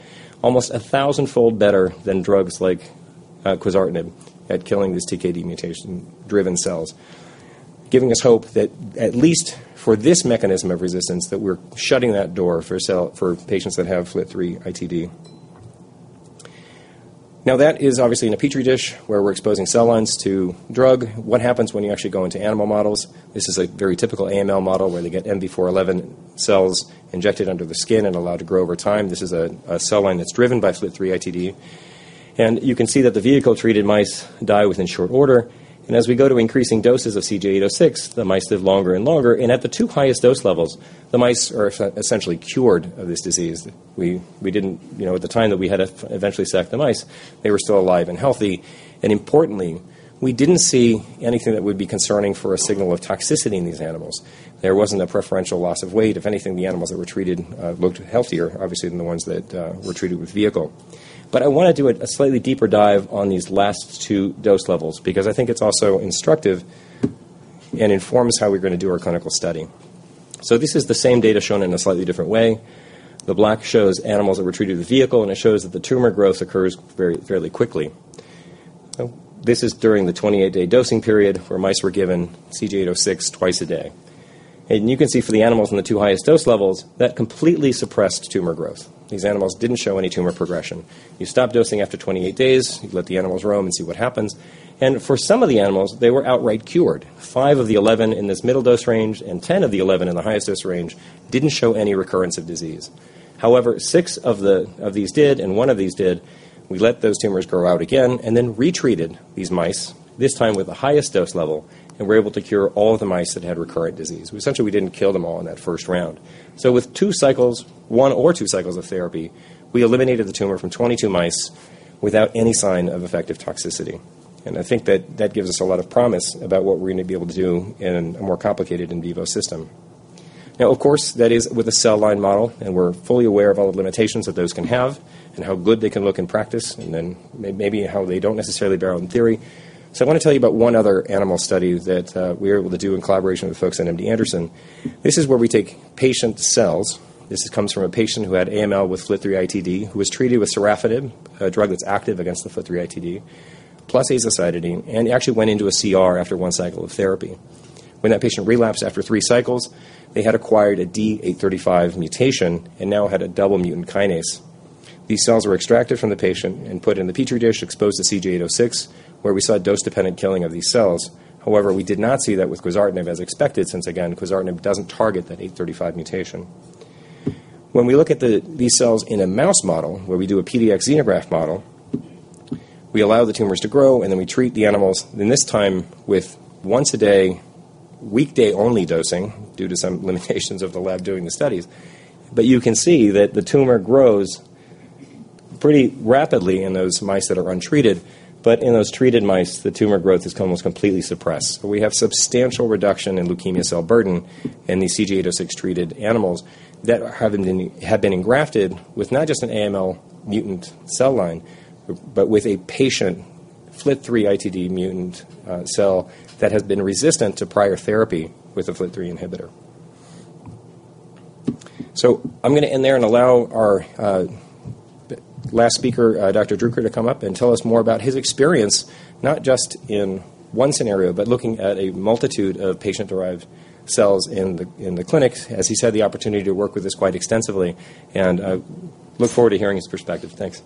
Almost 1,000-fold better than drugs like quizartinib at killing these TKD mutation-driven cells. Giving us hope that at least for this mechanism of resistance, that we're shutting that door for patients that have FLT3-ITD. Now, that is obviously in a Petri dish where we're exposing cell lines to drug. What happens when you actually go into animal models? This is a very typical AML model where they get MV4-11 cells injected under the skin and allowed to grow over time. This is a cell line that's driven by FLT3-ITD. And you can see that the vehicle-treated mice die within short order. And as we go to increasing doses of CG-806, the mice live longer and longer, and at the two highest dose levels, the mice are essentially cured of this disease. We didn't, you know, at the time that we had to eventually sac the mice, they were still alive and healthy. And importantly, we didn't see anything that would be concerning for a signal of toxicity in these animals. There wasn't a preferential loss of weight. If anything, the animals that were treated, looked healthier, obviously, than the ones that, were treated with vehicle. But I wanna do a, a slightly deeper dive on these last two dose levels because I think it's also instructive and informs how we're gonna do our clinical study. So this is the same data shown in a slightly different way. The black shows animals that were treated with vehicle, and it shows that the tumor growth occurs very, fairly quickly. This is during the 28-day dosing period, where mice were given CG-806 twice a day. And you can see for the animals in the 2 highest dose levels, that completely suppressed tumor growth. These animals didn't show any tumor progression. You stop dosing after 28 days, you let the animals roam and see what happens. And for some of the animals, they were outright cured. 5 of the 11 in this middle dose range and 10 of the 11 in the highest dose range didn't show any recurrence of disease. However, six of these did, and one of these did. We let those tumors grow out again and then retreated these mice, this time with the highest dose level, and we were able to cure all of the mice that had recurrent disease. Essentially, we didn't kill them all in that first round. So with two cycles, one or two cycles of therapy, we eliminated the tumor from 22 mice without any sign of effective toxicity. And I think that that gives us a lot of promise about what we're gonna be able to do in a more complicated in vivo system. Now, of course, that is with a cell line model, and we're fully aware of all the limitations that those can have and how good they can look in practice, and then maybe how they don't necessarily bear out in theory. So I want to tell you about one other animal study that we were able to do in collaboration with folks at MD Anderson. This is where we take patient cells. This comes from a patient who had AML with FLT3-ITD, who was treated with sorafenib, a drug that's active against the FLT3-ITD, plus azacitidine, and actually went into a CR after 1 cycle of therapy. When that patient relapsed after 3 cycles, they had acquired a D835 mutation and now had a double mutant kinase. These cells were extracted from the patient and put in the Petri dish, exposed to CG-806, where we saw dose-dependent killing of these cells. However, we did not see that with quizartinib, as expected, since again, quizartinib doesn't target that 835 mutation. When we look at these cells in a mouse model, where we do a PDX xenograft model, we allow the tumors to grow, and then we treat the animals, and this time with once a day, weekday-only dosing, due to some limitations of the lab doing the studies. But you can see that the tumor grows pretty rapidly in those mice that are untreated, but in those treated mice, the tumor growth is almost completely suppressed. We have substantial reduction in leukemia cell burden in these CG-806-treated animals that have been engrafted with not just an AML mutant cell line, but with a patient FLT3-ITD mutant cell that has been resistant to prior therapy with a FLT3 inhibitor. So I'm gonna end there and allow our last speaker, Dr. Druker, to come up and tell us more about his experience, not just in one scenario, but looking at a multitude of patient-derived cells in the clinics. As he said, the opportunity to work with us quite extensively, and I look forward to hearing his perspective. Thanks.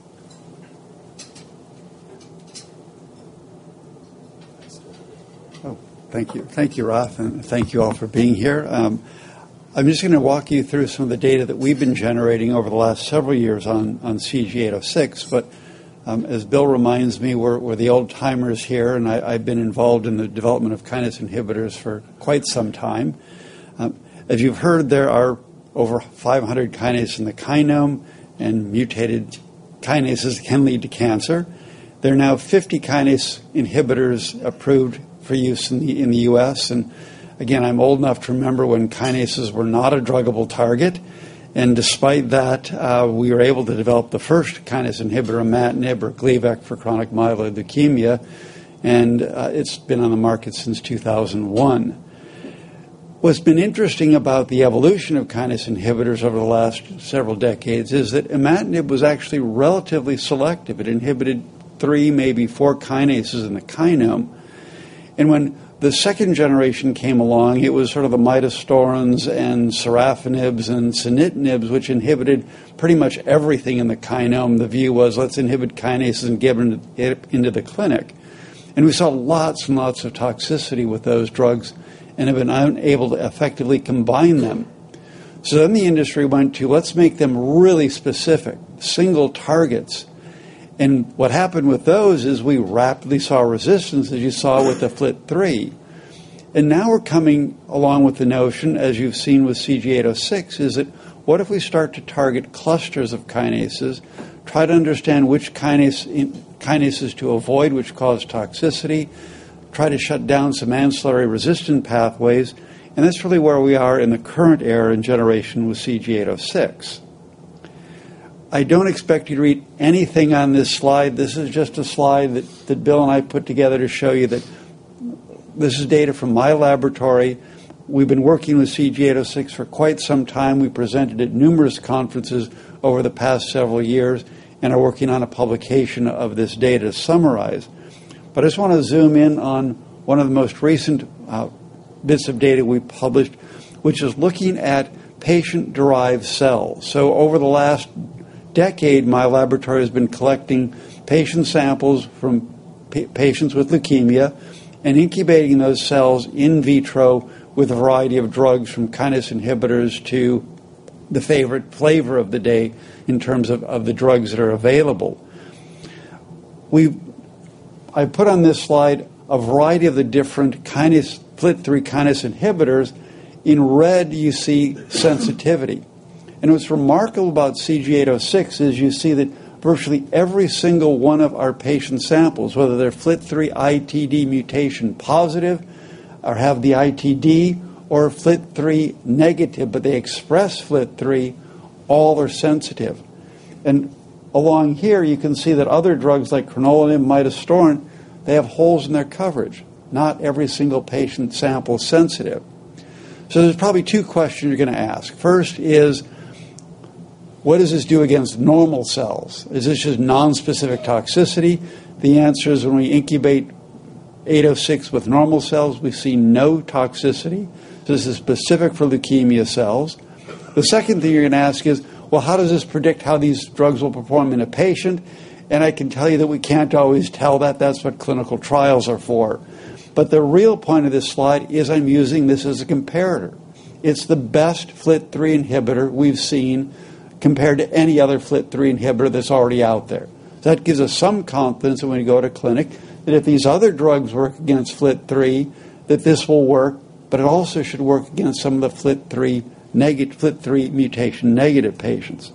Oh, thank you. Thank you, Raf, and thank you all for being here. I'm just gonna walk you through some of the data that we've been generating over the last several years on CG-806. But, as Bill reminds me, we're the old-timers here, and I've been involved in the development of kinase inhibitors for quite some time. As you've heard, there are over 500 kinases in the kinome, and mutated kinases can lead to cancer. There are now 50 kinase inhibitors approved for use in the U.S. And again, I'm old enough to remember when kinases were not a druggable target, and despite that, we were able to develop the first kinase inhibitor, imatinib or Gleevec, for chronic myeloid leukemia, and it's been on the market since 2001. What's been interesting about the evolution of kinase inhibitors over the last several decades is that imatinib was actually relatively selective. It inhibited three, maybe four kinases in the kinome. When the second generation came along, it was sort of the midostaurins and sorafenibs and sunitinibs, which inhibited pretty much everything in the kinome. The view was, let's inhibit kinases and get into the clinic, and we saw lots and lots of toxicity with those drugs and have been unable to effectively combine them. So then the industry went to, "Let's make them really specific, single targets." What happened with those is we rapidly saw resistance, as you saw with the FLT3. Now we're coming along with the notion, as you've seen with CG-806, is that what if we start to target clusters of kinases, try to understand which kinase in kinases to avoid, which cause toxicity, try to shut down some ancillary-resistant pathways, and that's really where we are in the current era and generation with CG-806. I don't expect you to read anything on this slide. This is just a slide that Bill and I put together to show you that this is data from my laboratory. We've been working with CG-806 for quite some time. We presented at numerous conferences over the past several years and are working on a publication of this data to summarize. I just want to zoom in on one of the most recent bits of data we published, which is looking at patient-derived cells. So over the last decade, my laboratory has been collecting patient samples from patients with leukemia and incubating those cells in vitro with a variety of drugs, from kinase inhibitors to the favorite flavor of the day in terms of of the drugs that are available. I put on this slide a variety of the different kinase, FLT3 kinase inhibitors. In red, you see sensitivity. And what's remarkable about CG-806 is you see that virtually every single one of our patient samples, whether they're FLT3-ITD mutation positive or have the ITD or FLT3 negative, but they express FLT3, all are sensitive. And along here, you can see that other drugs like crenolanib, midostaurin, they have holes in their coverage, not every single patient sample sensitive. So there's probably two questions you're gonna ask. First is: what does this do against normal cells? Is this just nonspecific toxicity? The answer is, when we incubate 806 with normal cells, we see no toxicity, so this is specific for leukemia cells. The second thing you're gonna ask is: Well, how does this predict how these drugs will perform in a patient? And I can tell you that we can't always tell that. That's what clinical trials are for. But the real point of this slide is I'm using this as a comparator. It's the best FLT3 inhibitor we've seen compared to any other FLT3 inhibitor that's already out there. So that gives us some confidence that when we go to clinic, that if these other drugs work against FLT3, that this will work, but it also should work against some of the FLT3 mutation negative patients.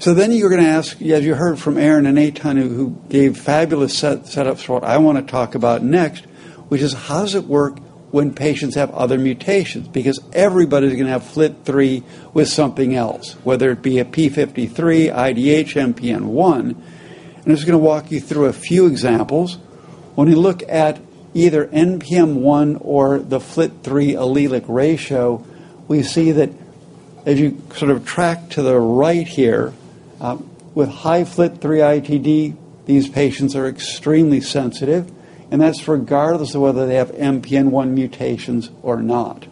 So then you're gonna ask, as you heard from Aaron and Eytan, who gave fabulous setups for what I want to talk about next, which is: how does it work when patients have other mutations? Because everybody's gonna have FLT3 with something else, whether it be a TP53, IDH, NPM1. I'm just gonna walk you through a few examples. When we look at either NPM1 or the FLT3 allelic ratio, we see that as you sort of track to the right here, with high FLT3-ITD, these patients are extremely sensitive, and that's regardless of whether they have NPM1 mutations or not.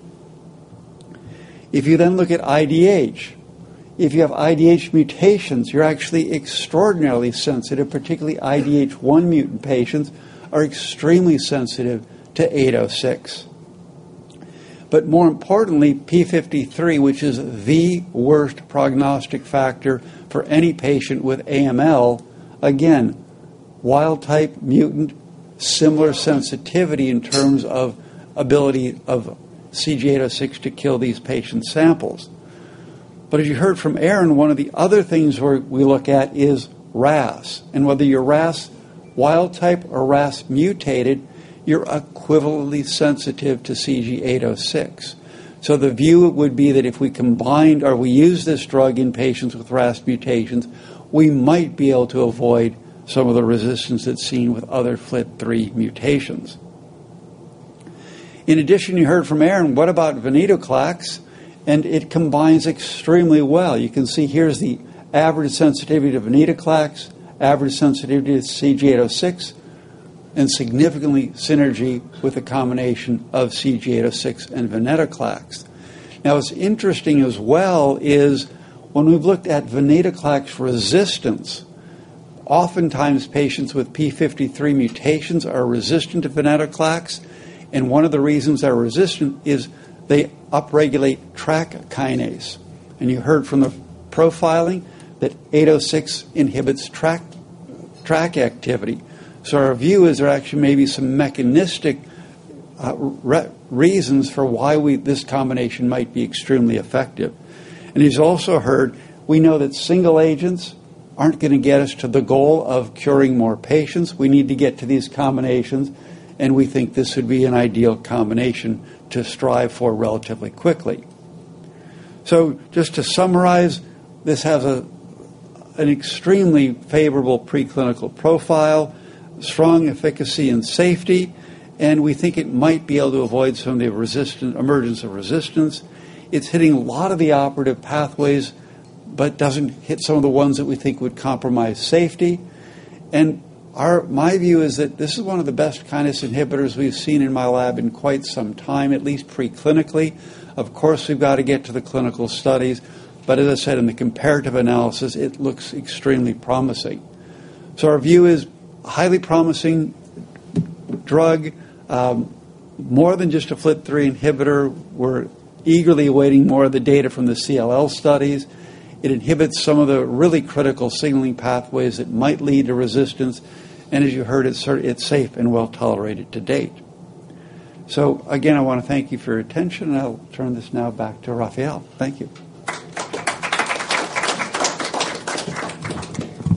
If you then look at IDH, if you have IDH mutations, you're actually extraordinarily sensitive. Particularly, IDH1 mutant patients are extremely sensitive to 806. But more importantly, p53, which is the worst prognostic factor for any patient with AML, again, wild-type, mutant, similar sensitivity in terms of ability of CG-806 to kill these patient samples. But as you heard from Aaron, one of the other things we're, we look at is RAS, and whether you're RAS wild type or RAS mutated, you're equivalently sensitive to CG-806. So the view would be that if we combined or we use this drug in patients with RAS mutations, we might be able to avoid some of the resistance that's seen with other FLT3 mutations. In addition, you heard from Aaron, what about venetoclax? And it combines extremely well. You can see here's the average sensitivity to venetoclax, average sensitivity to CG-806, and significantly synergy with a combination of CG-806 and venetoclax. Now, what's interesting as well is when we've looked at venetoclax resistance, oftentimes patients with p53 mutations are resistant to venetoclax, and one of the reasons they're resistant is they upregulate TRK kinase. And you heard from the profiling that 806 inhibits TRK, TRK activity. So our view is there actually may be some mechanistic reasons for why we, this combination might be extremely effective. And as you also heard, we know that single agents aren't gonna get us to the goal of curing more patients. We need to get to these combinations, and we think this would be an ideal combination to strive for relatively quickly. So just to summarize, this has an extremely favorable preclinical profile, strong efficacy and safety, and we think it might be able to avoid some of the resistant, emergence of resistance. It's hitting a lot of the operative pathways, but doesn't hit some of the ones that we think would compromise safety. My view is that this is one of the best kinase inhibitors we've seen in my lab in quite some time, at least preclinically. Of course, we've got to get to the clinical studies, but as I said in the comparative analysis, it looks extremely promising. So our view is, highly promising drug, more than just a FLT3 inhibitor. We're eagerly awaiting more of the data from the CLL studies. It inhibits some of the really critical signaling pathways that might lead to resistance, and as you heard, it's safe and well-tolerated to date. So again, I want to thank you for your attention, and I'll turn this now back to Rafael. Thank you.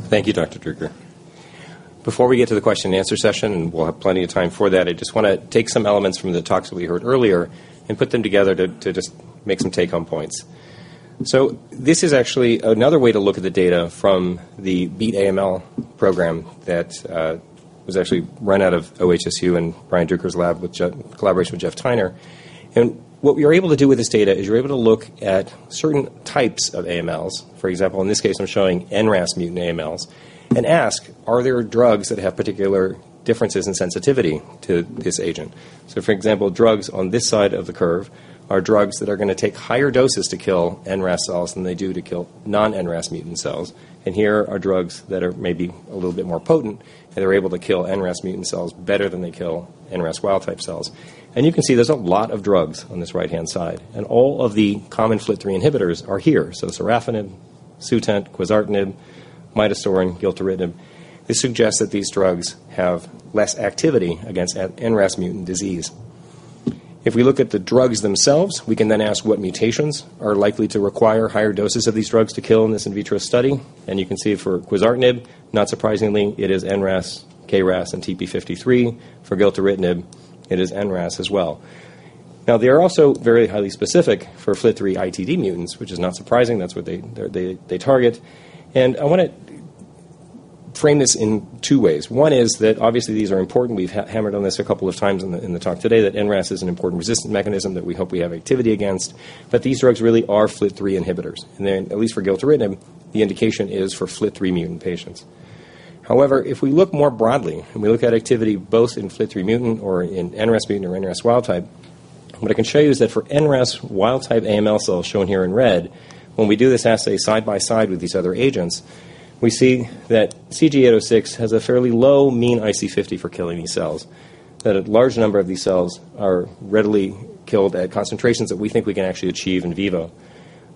Thank you, Dr. Druker. Before we get to the question-and-answer session, and we'll have plenty of time for that, I just wanna take some elements from the talks that we heard earlier and put them together to just make some take-home points. So this is actually another way to look at the data from the Beat AML program that was actually run out of OHSU in Brian Druker's lab with collaboration with Jeff Tyner. What we were able to do with this data is you're able to look at certain types of AMLs, for example, in this case, I'm showing NRAS mutant AMLs, and ask: Are there drugs that have particular differences in sensitivity to this agent? So for example, drugs on this side of the curve are drugs that are gonna take higher doses to kill NRAS cells than they do to kill non-NRAS mutant cells. And here are drugs that are maybe a little bit more potent, and they're able to kill NRAS mutant cells better than they kill NRAS wild-type cells. And you can see there's a lot of drugs on this right-hand side, and all of the common FLT3 inhibitors are here. So sorafenib, Sutent, quizartinib, midostaurin, gilteritinib. This suggests that these drugs have less activity against NRAS mutant disease. If we look at the drugs themselves, we can then ask what mutations are likely to require higher doses of these drugs to kill in this in vitro study, and you can see for quizartinib, not surprisingly, it is NRAS, KRAS, and TP53. For gilteritinib, it is NRAS as well. Now, they are also very highly specific for FLT3-ITD mutants, which is not surprising. That's what they target. And I wanna frame this in two ways. One is that obviously these are important. We've hammered on this a couple of times in the talk today, that NRAS is an important resistant mechanism that we hope we have activity against, but these drugs really are FLT3 inhibitors. And then, at least for gilteritinib, the indication is for FLT3 mutant patients. However, if we look more broadly, and we look at activity both in FLT3 mutant or in NRAS mutant or NRAS wild type, what I can show you is that for NRAS wild type AML cells shown here in red, when we do this assay side by side with these other agents, we see that CG-806 has a fairly low mean IC50 for killing these cells. That a large number of these cells are readily killed at concentrations that we think we can actually achieve in vivo.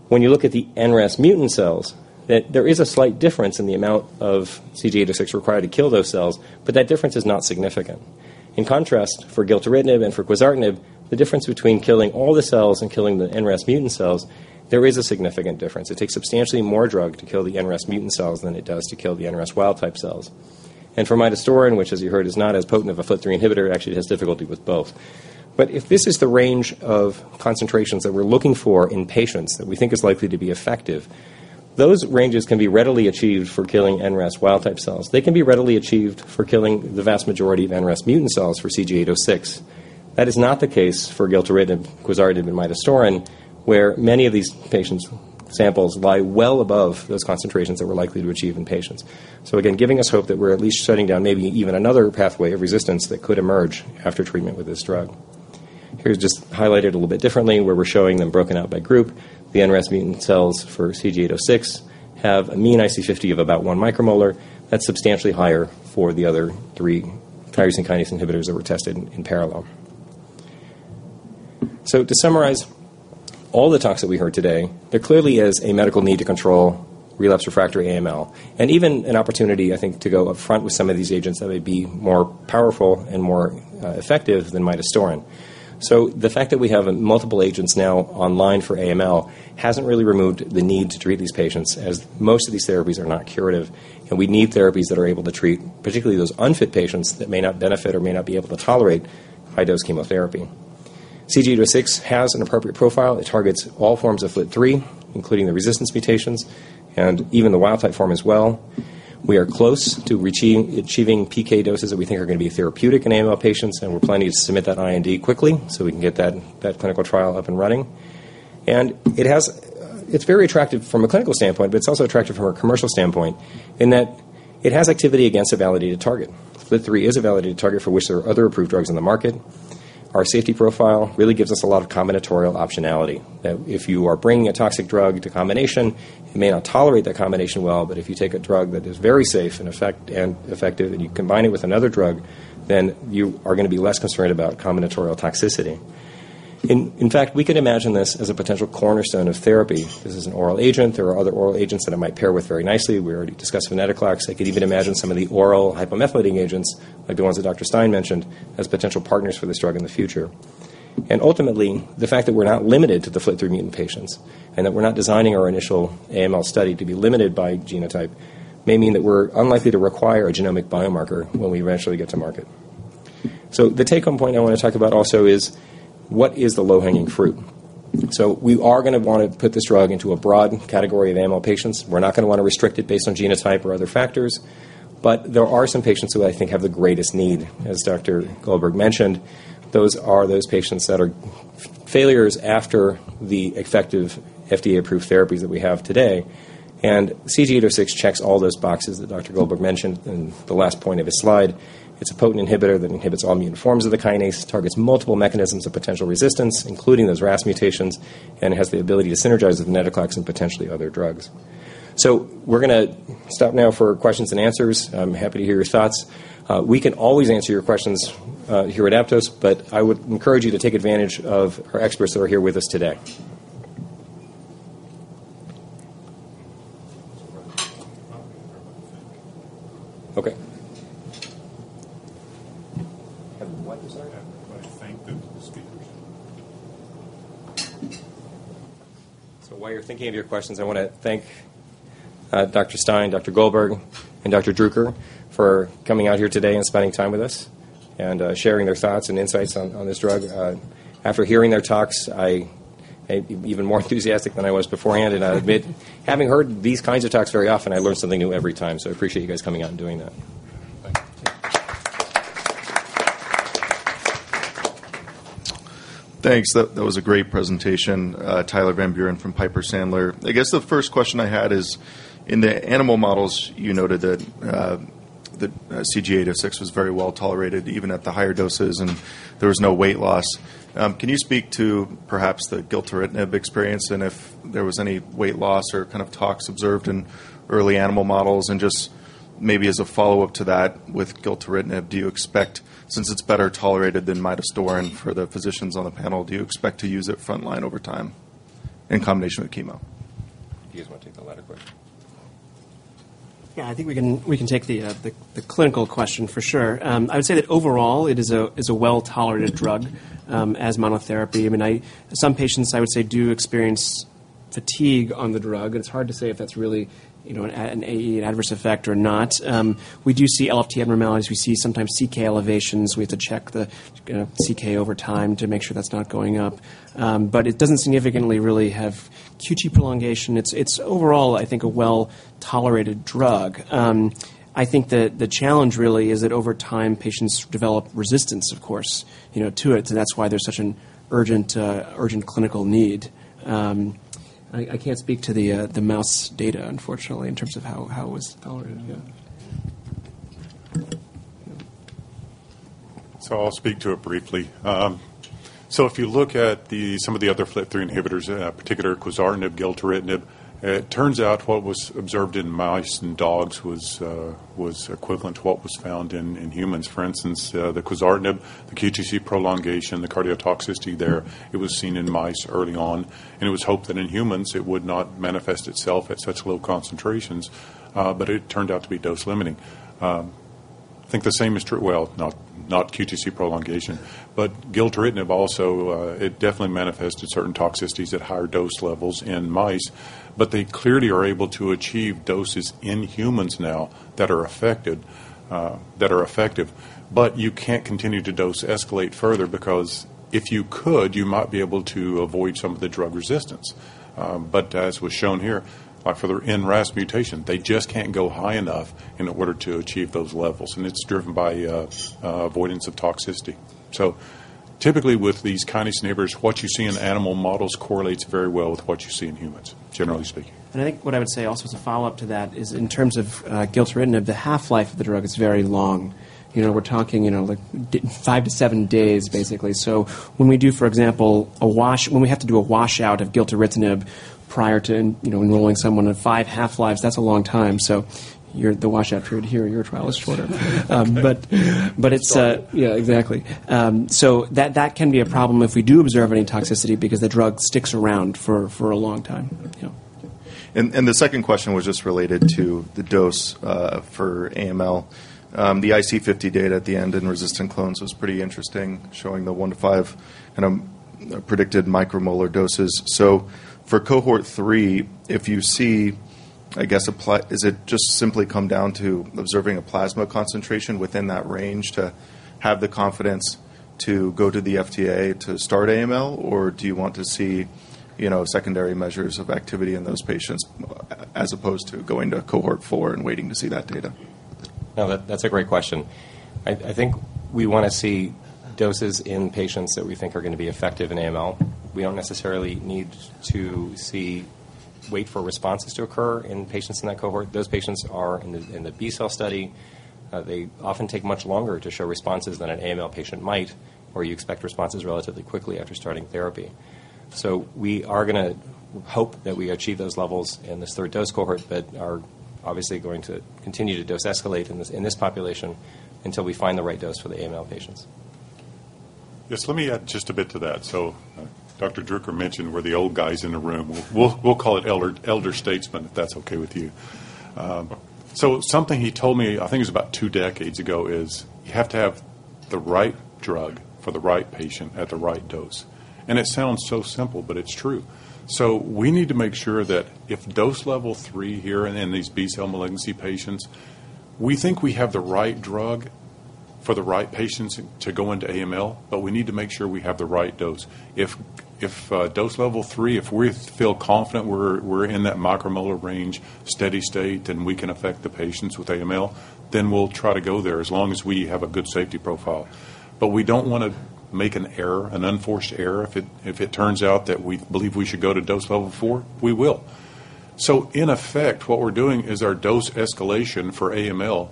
When you look at the NRAS mutant cells, that there is a slight difference in the amount of CG-806 required to kill those cells, but that difference is not significant. In contrast, for gilteritinib and for quizartinib, the difference between killing all the cells and killing the NRAS mutant cells, there is a significant difference. It takes substantially more drug to kill the NRAS mutant cells than it does to kill the NRAS wild-type cells. For midostaurin, which as you heard, is not as potent of a FLT3 inhibitor, actually has difficulty with both. But if this is the range of concentrations that we're looking for in patients that we think is likely to be effective, those ranges can be readily achieved for killing NRAS wild-type cells. They can be readily achieved for killing the vast majority of NRAS mutant cells for CG-806. That is not the case for gilteritinib, quizartinib, and midostaurin, where many of these patients' samples lie well above those concentrations that we're likely to achieve in patients. So again, giving us hope that we're at least shutting down maybe even another pathway of resistance that could emerge after treatment with this drug. Here's just highlighted a little bit differently, where we're showing them broken out by group. The NRAS mutant cells for CG-806 have a mean IC50 of about 1 micromolar. That's substantially higher for the other three tyrosine kinase inhibitors that were tested in parallel. So to summarize all the talks that we heard today, there clearly is a medical need to control relapsed/refractory AML, and even an opportunity, I think, to go up front with some of these agents, that they'd be more powerful and more effective than midostaurin. So the fact that we have multiple agents now online for AML hasn't really removed the need to treat these patients, as most of these therapies are not curative, and we need therapies that are able to treat particularly those unfit patients that may not benefit or may not be able to tolerate high-dose chemotherapy. CG-806 has an appropriate profile. It targets all forms of FLT3, including the resistance mutations and even the wild type form as well. We are close to achieving PK doses that we think are gonna be therapeutic in AML patients, and we're planning to submit that IND quickly, so we can get that clinical trial up and running. It's very attractive from a clinical standpoint, but it's also attractive from a commercial standpoint in that it has activity against a validated target. FLT3 is a validated target for which there are other approved drugs on the market. Our safety profile really gives us a lot of combinatorial optionality. That if you are bringing a toxic drug to combination, you may not tolerate that combination well, but if you take a drug that is very safe and effective, and you combine it with another drug, then you are gonna be less concerned about combinatorial toxicity. In fact, we could imagine this as a potential cornerstone of therapy. This is an oral agent. There are other oral agents that it might pair with very nicely. We already discussed venetoclax. I could even imagine some of the oral hypomethylating agents, like the ones that Dr. Stein mentioned, as potential partners for this drug in the future. Ultimately, the fact that we're not limited to the FLT3 mutant patients and that we're not designing our initial AML study to be limited by genotype, may mean that we're unlikely to require a genomic biomarker when we eventually get to market. The take-home point I want to talk about also is: What is the low-hanging fruit? We are gonna want to put this drug into a broad category of AML patients. We're not gonna want to restrict it based on genotype or other factors, but there are some patients who I think have the greatest need, as Dr. Goldberg mentioned. Those are those patients that are failures after the effective FDA-approved therapies that we have today, and CG-806 checks all those boxes that Dr. Goldberg mentioned in the last point of his slide. It's a potent inhibitor that inhibits all mutant forms of the kinase, targets multiple mechanisms of potential resistance, including those RAS mutations, and it has the ability to synergize with venetoclax and potentially other drugs. So we're gonna stop now for questions and answers. I'm happy to hear your thoughts. We can always answer your questions here at Aptose, but I would encourage you to take advantage of our experts that are here with us today. Okay. What, sorry? I thank the speakers. So while you're thinking of your questions, I wanna thank Dr. Stein, Dr. Goldberg, and Dr. Druker for coming out here today and spending time with us, and sharing their thoughts and insights on, on this drug. After hearing their talks, I am even more enthusiastic than I was beforehand, and I'll admit, having heard these kinds of talks very often, I learn something new every time. So I appreciate you guys coming out and doing that. Thanks. That was a great presentation. Tyler Van Buren from Piper Sandler. I guess the first question I had is, in the animal models, you noted that CG-806 was very well tolerated, even at the higher doses, and there was no weight loss. Can you speak to perhaps the gilteritinib experience and if there was any weight loss or kind of toxicities observed in early animal models? And just maybe as a follow-up to that, with gilteritinib, do you expect... Since it's better tolerated than midostaurin, for the physicians on the panel, do you expect to use it front line over time in combination with chemo? Do you guys want to take the latter question?... Yeah, I think we can take the clinical question for sure. I would say that overall, it is a well-tolerated drug as monotherapy. I mean, some patients, I would say, do experience fatigue on the drug, and it's hard to say if that's really, you know, an adverse effect or not. We do see LFT abnormalities. We see sometimes CK elevations. We have to check the CK over time to make sure that's not going up. But it doesn't significantly really have QT prolongation. It's overall, I think, a well-tolerated drug. I think that the challenge really is that over time, patients develop resistance, of course, you know, to it. So that's why there's such an urgent clinical need. I can't speak to the mouse data, unfortunately, in terms of how it was tolerated. Yeah. So I'll speak to it briefly. So if you look at some of the other FLT3 inhibitors, in particular, quizartinib, gilteritinib, it turns out what was observed in mice and dogs was equivalent to what was found in humans. For instance, the quizartinib, the QTc prolongation, the cardiotoxicity there, it was seen in mice early on, and it was hoped that in humans, it would not manifest itself at such low concentrations, but it turned out to be dose-limiting. I think the same is true, well, not QTc prolongation, but gilteritinib also, it definitely manifested certain toxicities at higher dose levels in mice, but they clearly are able to achieve doses in humans now that are effective. But you can't continue to dose escalate further because if you could, you might be able to avoid some of the drug resistance. But as was shown here, like for the NRAS mutation, they just can't go high enough in order to achieve those levels, and it's driven by avoidance of toxicity. So typically, with these kinase inhibitors, what you see in animal models correlates very well with what you see in humans, generally speaking. I think what I would say also as a follow-up to that is in terms of gilteritinib, the half-life of the drug is very long. You know, we're talking, you know, like 5-7 days, basically. So when we do, for example, a washout of gilteritinib prior to, you know, enrolling someone in five half-lives, that's a long time. So your, the washout period here in your trial is shorter. But it's Yeah. Yeah, exactly. So that can be a problem if we do observe any toxicity because the drug sticks around for a long time. Yeah. The second question was just related to the dose for AML. The IC50 data at the end in resistant clones was pretty interesting, showing the 1-5 in a predicted micromolar doses. So for cohort 3, if you see, I guess, a plasma concentration within that range to have the confidence to go to the FDA to start AML, or do you want to see, you know, secondary measures of activity in those patients as opposed to going to cohort 4 and waiting to see that data? No, that's a great question. I think we wanna see doses in patients that we think are gonna be effective in AML. We don't necessarily need to see, wait for responses to occur in patients in that cohort. Those patients are in the B-cell study. They often take much longer to show responses than an AML patient might, where you expect responses relatively quickly after starting therapy. So we are gonna hope that we achieve those levels in this third dose cohort, but are obviously going to continue to dose escalate in this population until we find the right dose for the AML patients. Yes, let me add just a bit to that. So, Dr. Druker mentioned we're the old guys in the room. We'll, we'll call it elder, elder statesman, if that's okay with you. So something he told me, I think it was about two decades ago, is, "You have to have the right drug for the right patient at the right dose." And it sounds so simple, but it's true. So we need to make sure that if dose level three here and in these B-cell malignancy patients, we think we have the right drug for the right patients to go into AML, but we need to make sure we have the right dose. If, if, dose level three, if we feel confident we're, we're in that micromolar range, steady state, and we can affect the patients with AML, then we'll try to go there as long as we have a good safety profile. But we don't wanna make an error, an unforced error. If it, if it turns out that we believe we should go to dose level four, we will. So in effect, what we're doing is our dose escalation for AML,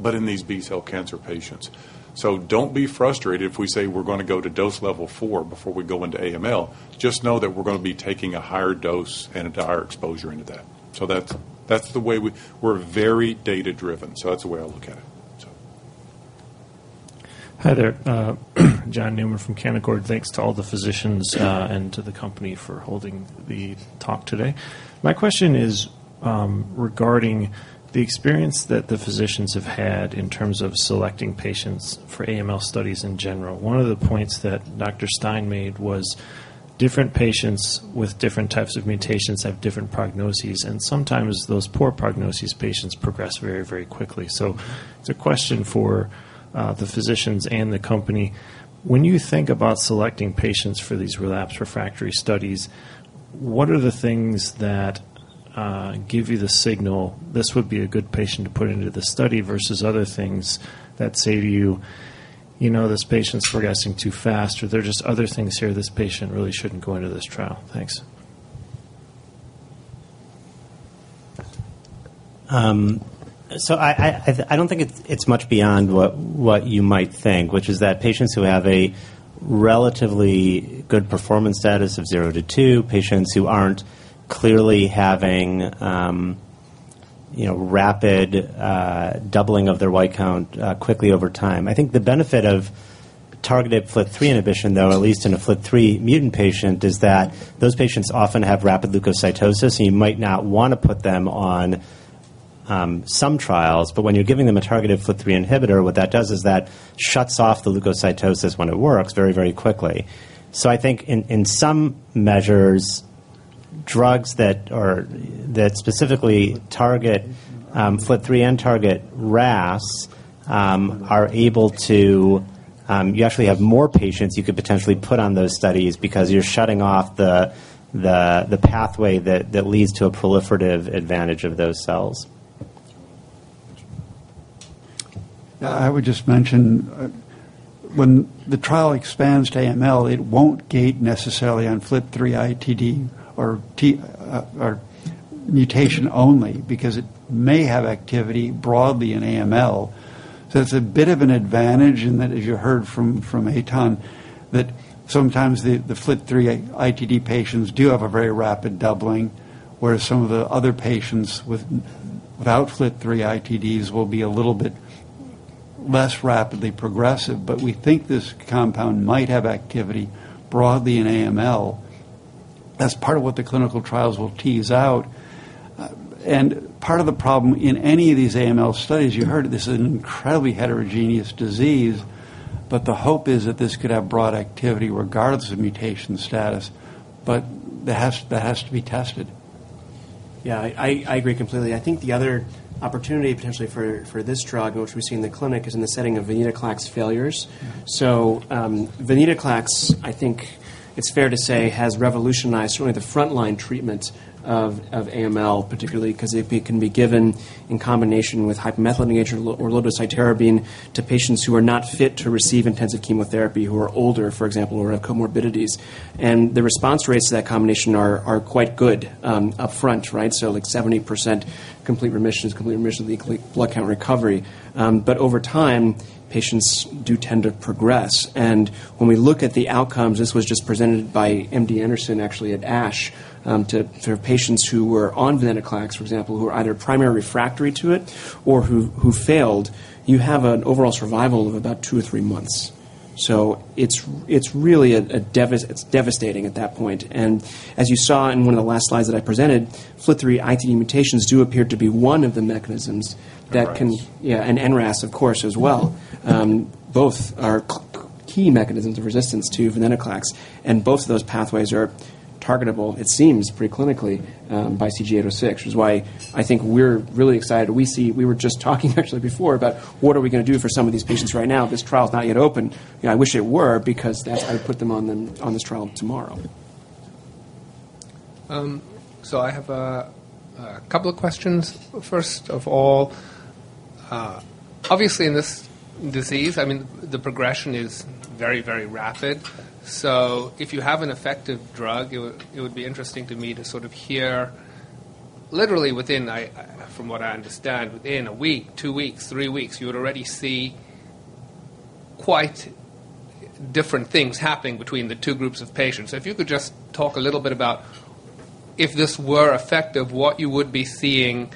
but in these B-cell cancer patients. So don't be frustrated if we say we're gonna go to dose level four before we go into AML. Just know that we're gonna be taking a higher dose and a higher exposure into that. So that's, that's the way we... We're very data-driven, so that's the way I look at it. So. Hi there, John Newman from Canaccord. Thanks to all the physicians, and to the company for holding the talk today. My question is, regarding the experience that the physicians have had in terms of selecting patients for AML studies in general. One of the points that Dr. Stein made was different patients with different types of mutations have different prognoses, and sometimes those poor prognoses patients progress very, very quickly. So it's a question for, the physicians and the company. When you think about selecting patients for these relapsed refractory studies, what are the things that, give you the signal, this would be a good patient to put into the study, versus other things that say to you, "You know, this patient's progressing too fast," or "There are just other things here, this patient really shouldn't go into this trial?" Thanks. So I don't think it's much beyond what you might think, which is that patients who have a relatively good performance status of 0-2, patients who aren't clearly having, you know, rapid doubling of their white count quickly over time. I think the benefit of targeted FLT3 inhibition, though, at least in a FLT3 mutant patient, is that those patients often have rapid leukocytosis, and you might not want to put them on some trials. But when you're giving them a targeted FLT3 inhibitor, what that does is that shuts off the leukocytosis when it works very, very quickly. So I think in some measures, drugs that specifically target FLT3 and target RAS are able to, you actually have more patients you could potentially put on those studies because you're shutting off the pathway that leads to a proliferative advantage of those cells. Yeah, I would just mention, when the trial expands to AML, it won't gate necessarily on FLT3-ITD or TKD, or mutation only, because it may have activity broadly in AML. So it's a bit of an advantage in that, as you heard from Eytan, that sometimes the FLT3-ITD patients do have a very rapid doubling, whereas some of the other patients without FLT3-ITDs will be a little bit less rapidly progressive. But we think this compound might have activity broadly in AML. That's part of what the clinical trials will tease out. And part of the problem in any of these AML studies, you heard this is an incredibly heterogeneous disease, but the hope is that this could have broad activity regardless of mutation status. But that has to be tested. Yeah, I, I agree completely. I think the other opportunity, potentially for, for this drug, which we see in the clinic, is in the setting of venetoclax failures. So, venetoclax, I think it's fair to say, has revolutionized really the frontline treatment of, of AML, particularly 'cause it can be given in combination with hypomethylating or low-dose cytarabine to patients who are not fit to receive intensive chemotherapy, who are older, for example, or have comorbidities. And the response rates to that combination are, are quite good, up front, right? So, like 70% complete remissions, complete remission, the complete blood count recovery. But over time, patients do tend to progress, and when we look at the outcomes, this was just presented by MD Anderson, actually at ASH, for patients who were on venetoclax, for example, who are either primary refractory to it or who, who failed, you have an overall survival of about two or three months. So it's, it's really a devas-- it's devastating at that point. And as you saw in one of the last slides that I presented, FLT3-ITD mutations do appear to be one of the mechanisms that can- NRAS. Yeah, and NRAS, of course, as well. Both are key mechanisms of resistance to venetoclax, and both of those pathways are targetable, it seems, preclinically, by CG-806. Which is why I think we're really excited. We see. We were just talking actually before about what are we gonna do for some of these patients right now? This trial is not yet open. You know, I wish it were, because then I'd put them on this trial tomorrow. So I have a couple of questions. First of all, obviously, in this disease, I mean, the progression is very, very rapid. So if you have an effective drug, it would be interesting to me to sort of hear literally within, from what I understand, within a week, two weeks, three weeks, you would already see quite different things happening between the two groups of patients. So if you could just talk a little bit about if this were effective, what you would be seeing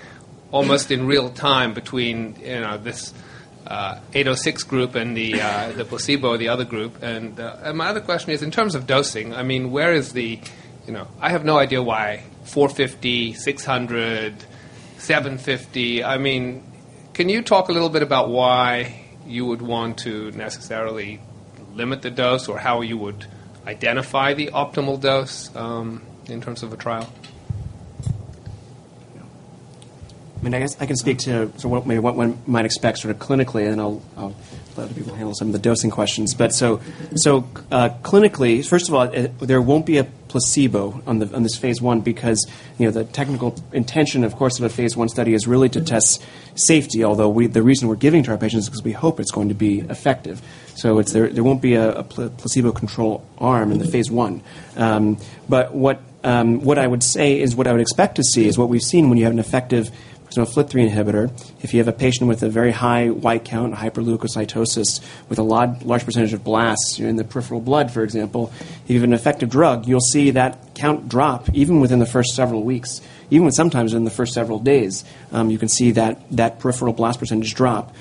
almost in real time between, you know, this 806 group and the placebo, the other group. And my other question is, in terms of dosing, I mean, where is the... You know, I have no idea why 450, 600, 750. I mean, can you talk a little bit about why you would want to necessarily limit the dose, or how you would identify the optimal dose, in terms of a trial? I mean, I guess I can speak to what one might expect sort of clinically, and I'll let other people handle some of the dosing questions. But so, clinically, first of all, there won't be a placebo on this phase one, because, you know, the technical intention, of course, of a phase one study is really to test safety. Although, we—the reason we're giving it to our patients is because we hope it's going to be effective. So it's, there won't be a placebo-controlled arm in the phase one. But what I would say is, what I would expect to see is what we've seen when you have an effective, so a FLT3 inhibitor. If you have a patient with a very high white count, hyperleukocytosis, with a lot, large percentage of blasts in the peripheral blood, for example, if you have an effective drug, you'll see that count drop even within the first several weeks, even sometimes in the first several days. You can see that peripheral blast percentage drop.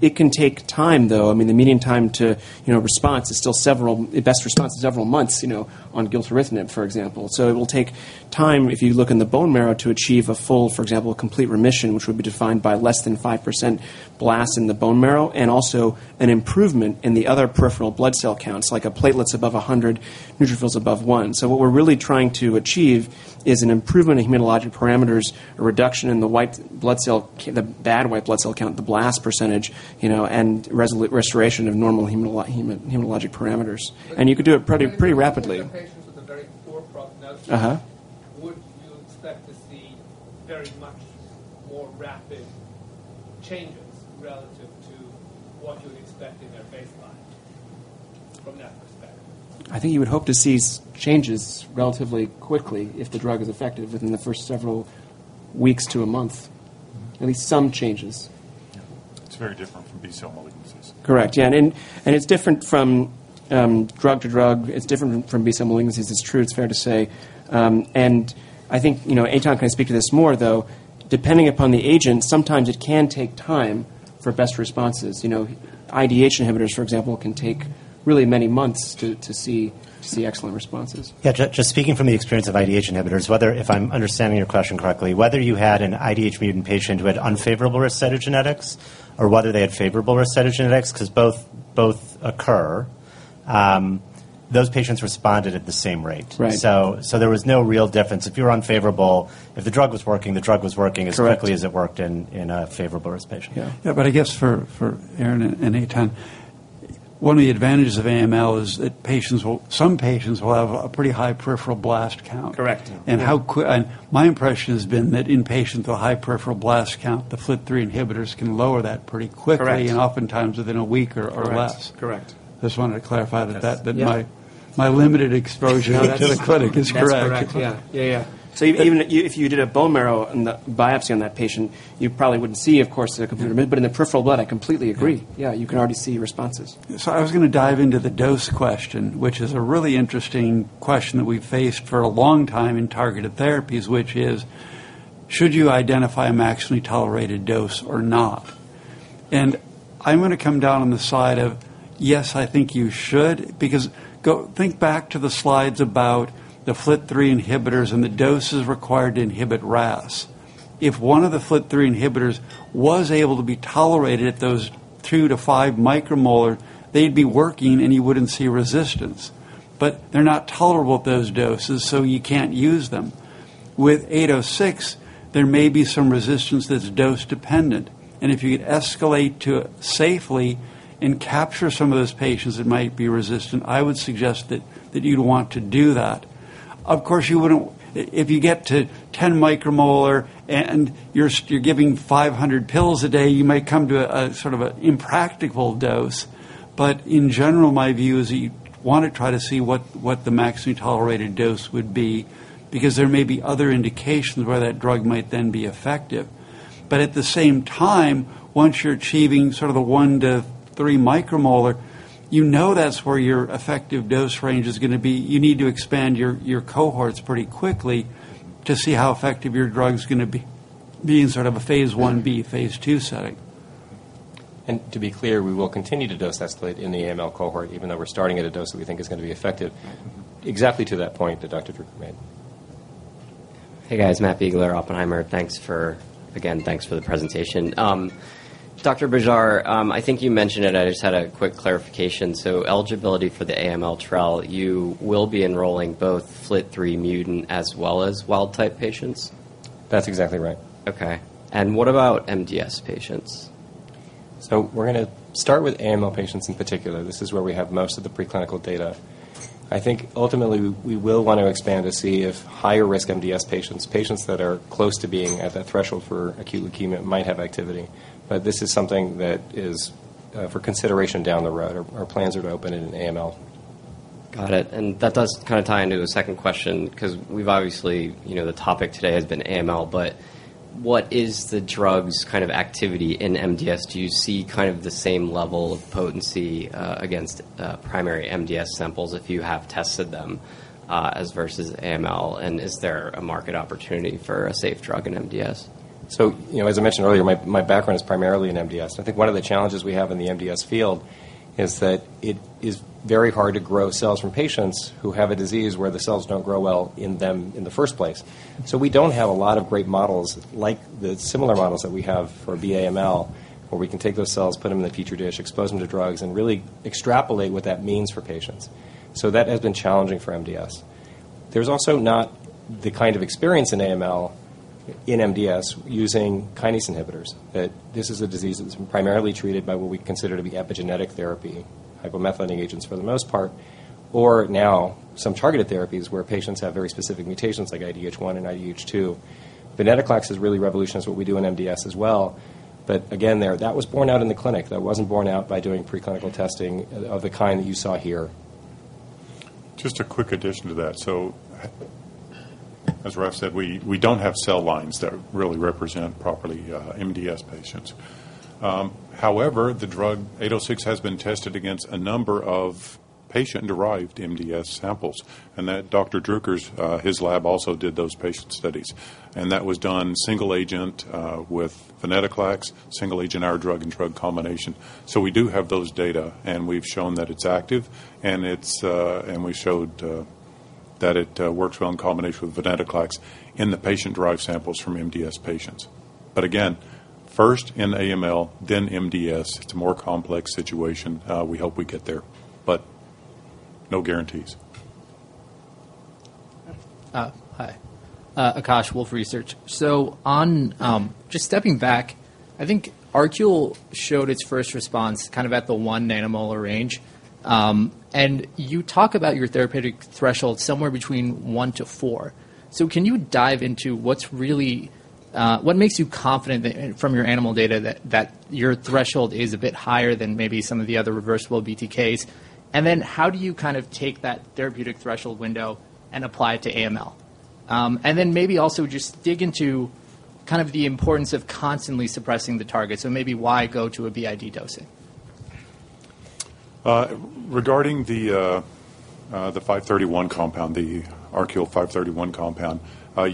It can take time, though. I mean, the median time to, you know, response is still several, best response is several months, you know, on gilteritinib, for example. So it will take time, if you look in the bone marrow, to achieve a full, for example, complete remission, which would be defined by less than 5% blasts in the bone marrow, and also an improvement in the other peripheral blood cell counts, like platelets above 100, neutrophils above one. So what we're really trying to achieve is an improvement in hematologic parameters, a reduction in the white blood cell, the bad white blood cell count, the blast percentage, you know, and restoration of normal hematologic parameters. You could do it pretty rapidly. In patients with a very poor prognosis- Uh-huh. Would you expect to see very much more rapid changes relative to what you'd expect in their baseline from that perspective? I think you would hope to see changes relatively quickly if the drug is effective within the first several weeks to a month, at least some changes. Yeah. It's very different from B-cell malignancies. Correct, yeah. And it's different from-... drug to drug, it's different from B-cell malignancies. It's true, it's fair to say. And I think, you know, Eytan can speak to this more, though. Depending upon the agent, sometimes it can take time for best responses. You know, IDH inhibitors, for example, can take really many months to see excellent responses. Yeah, just speaking from the experience of IDH inhibitors, whether if I'm understanding your question correctly, whether you had an IDH mutant patient who had unfavorable cytogenetics or whether they had favorable cytogenetics, 'cause both, both occur, those patients responded at the same rate. Right. So, there was no real difference. If you were unfavorable, if the drug was working, the drug was working- Correct. as quickly as it worked in a favorable risk patient. Yeah. Yeah, but I guess for Aaron and Eytan, one of the advantages of AML is that patients will, some patients will have a pretty high peripheral blast count. Correct. And my impression has been that in patients with a high peripheral blast count, the FLT3 inhibitors can lower that pretty quickly. Correct. and oftentimes within a week or less. Correct. Just wanted to clarify that, Yeah. My limited exposure to the clinic is correct. That's correct. Yeah. Yeah, yeah. So even if you, if you did a bone marrow and the biopsy on that patient, you probably wouldn't see, of course, a complete remission, but in the peripheral blood, I completely agree. Yeah, you can already see responses. So I was gonna dive into the dose question, which is a really interesting question that we've faced for a long time in targeted therapies, which is: Should you identify a maximally tolerated dose or not? And I'm gonna come down on the side of, yes, I think you should, because think back to the slides about the FLT3 inhibitors and the doses required to inhibit RAS. If one of the FLT3 inhibitors was able to be tolerated at those 2-5 micromolar, they'd be working, and you wouldn't see resistance. But they're not tolerable at those doses, so you can't use them. With 806, there may be some resistance that's dose-dependent, and if you could escalate to it safely and capture some of those patients that might be resistant, I would suggest that, that you'd want to do that. Of course, you wouldn't... If you get to 10 micromolar and you're giving 500 pills a day, you might come to a sort of impractical dose. But in general, my view is that you'd want to try to see what the maximally tolerated dose would be because there may be other indications where that drug might then be effective. But at the same time, once you're achieving sort of the 1-3 micromolar, you know that's where your effective dose range is gonna be. You need to expand your cohorts pretty quickly to see how effective your drug's gonna be in sort of a phase I-b, phase II setting. To be clear, we will continue to dose escalate in the AML cohort, even though we're starting at a dose that we think is gonna be effective, exactly to that point that Dr. Druker made. Hey, guys. Matt Biegler, Oppenheimer. Thanks for... Again, thanks for the presentation. Dr. Bejar, I think you mentioned it, I just had a quick clarification. So eligibility for the AML trial, you will be enrolling both FLT3 mutant as well as wild-type patients? That's exactly right. Okay. What about MDS patients? So we're gonna start with AML patients in particular. This is where we have most of the preclinical data. I think ultimately, we will want to expand to see if higher-risk MDS patients, patients that are close to being at that threshold for acute leukemia, might have activity. But this is something that is for consideration down the road. Our plans are to open it in AML. Got it. That does kind of tie into the second question, 'cause we've obviously, you know, the topic today has been AML, but what is the drug's kind of activity in MDS? Do you see kind of the same level of potency against primary MDS samples if you have tested them as versus AML, and is there a market opportunity for a safe drug in MDS? So, you know, as I mentioned earlier, my background is primarily in MDS. I think one of the challenges we have in the MDS field is that it is very hard to grow cells from patients who have a disease where the cells don't grow well in them in the first place. So we don't have a lot of great models like the similar models that we have for AML, where we can take those cells, put them in the Petri dish, expose them to drugs, and really extrapolate what that means for patients. So that has been challenging for MDS. There's also not the kind of experience in AML, in MDS, using kinase inhibitors, that this is a disease that's been primarily treated by what we consider to be epigenetic therapy, hypomethylating agents for the most part, or now some targeted therapies where patients have very specific mutations like IDH1 and IDH2. Venetoclax is really revolutionary in what we do in MDS as well, but again, there, that was borne out in the clinic. That wasn't borne out by doing preclinical testing of the kind that you saw here. Just a quick addition to that. So as Raf said, we don't have cell lines that really represent properly MDS patients. However, the drug CG-806 has been tested against a number of patient-derived MDS samples, and Dr. Druker's lab also did those patient studies. And that was done single agent with venetoclax, single agent, our drug and drug combination. So we do have those data, and we've shown that it's active, and it's... And we showed that it works well in combination with venetoclax in the patient-derived samples from MDS patients. But again, first in AML, then MDS. It's a more complex situation. We hope we get there, but no guarantees. Hi, Akash, Wolfe Research. So, just stepping back, I think ArQule showed its first response kind of at the 1 nanomolar range. And you talk about your therapeutic threshold somewhere between 1-4. So can you dive into what's really what makes you confident that from your animal data, that your threshold is a bit higher than maybe some of the other reversible BTKs? And then how do you kind of take that therapeutic threshold window and apply it to AML? And then maybe also just dig into-... kind of the importance of constantly suppressing the target. So maybe why go to a BID dosing? Regarding the 531 compound, the ARQ 531 compound,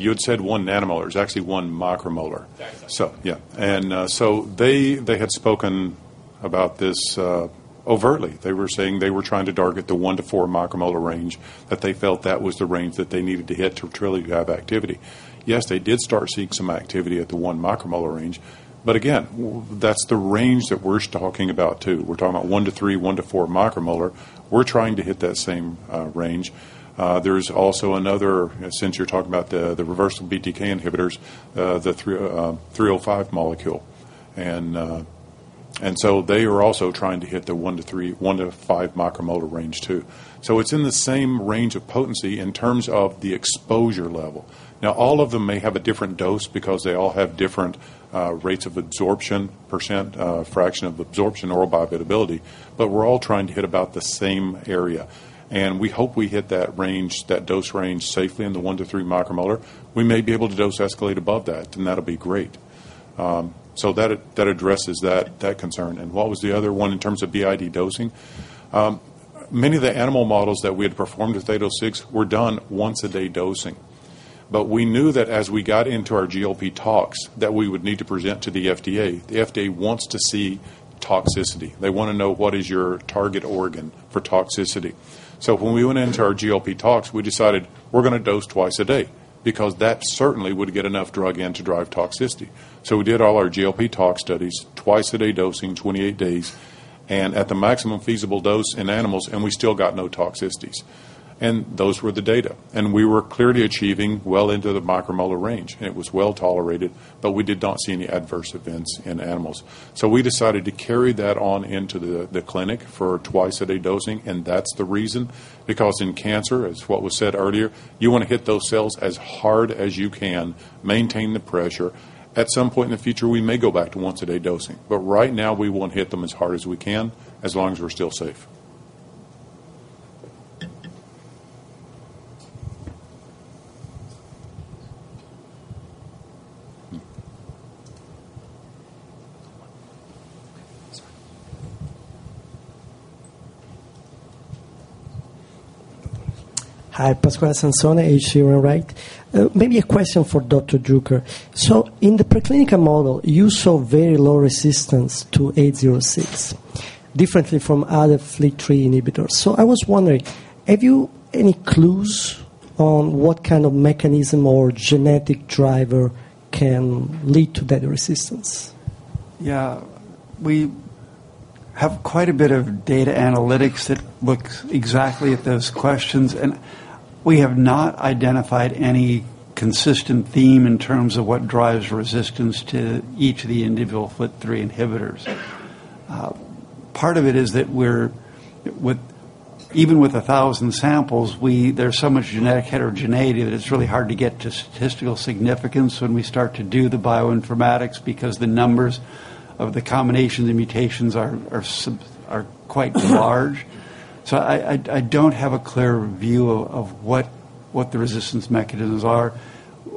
you had said 1 nanomolar. It's actually 1 micromolar. Exactly. So, yeah. So they had spoken about this overtly. They were saying they were trying to target the 1-4 micromolar range, that they felt that was the range that they needed to hit to truly drive activity. Yes, they did start seeing some activity at the 1 micromolar range, but again, that's the range that we're talking about, too. We're talking about 1-3, 1-4 micromolar. We're trying to hit that same range. There's also another. Since you're talking about the reversible BTK inhibitors, the 305 molecule. And so they are also trying to hit the 1-3, 1-5 micromolar range, too. So it's in the same range of potency in terms of the exposure level. Now, all of them may have a different dose because they all have different rates of absorption, percent, fraction of absorption, oral bioavailability, but we're all trying to hit about the same area. And we hope we hit that range, that dose range safely in the 1-3 micromolar. We may be able to dose escalate above that, and that'll be great. So that addresses that concern. And what was the other one in terms of BID dosing? Many of the animal models that we had performed with CG-806 were done once-a-day dosing. But we knew that as we got into our GLP tox, that we would need to present to the FDA. The FDA wants to see toxicity. They wanna know what is your target organ for toxicity. So when we went into our GLP tox, we decided we're gonna dose twice a day because that certainly would get enough drug in to drive toxicity. So we did all our GLP tox studies, twice-a-day dosing, 28 days, and at the maximum feasible dose in animals, and we still got no toxicities. And those were the data. And we were clearly achieving well into the micromolar range, and it was well tolerated, but we did not see any adverse events in animals. So we decided to carry that on into the clinic for twice-a-day dosing, and that's the reason. Because in cancer, as what was said earlier, you wanna hit those cells as hard as you can, maintain the pressure. At some point in the future, we may go back to once-a-day dosing, but right now we want to hit them as hard as we can, as long as we're still safe. Hi, Pasquale Sansone, H.C. Wainwright. Maybe a question for Dr. Druker. In the preclinical model, you saw very low resistance to 806, differently from other FLT3 inhibitors. I was wondering, have you any clues on what kind of mechanism or genetic driver can lead to that resistance? Yeah. We have quite a bit of data analytics that looks exactly at those questions, and we have not identified any consistent theme in terms of what drives resistance to each of the individual FLT3 inhibitors. Part of it is that even with 1,000 samples, there's so much genetic heterogeneity that it's really hard to get to statistical significance when we start to do the bioinformatics, because the numbers of the combination, the mutations are quite large. So I don't have a clear view of what the resistance mechanisms are.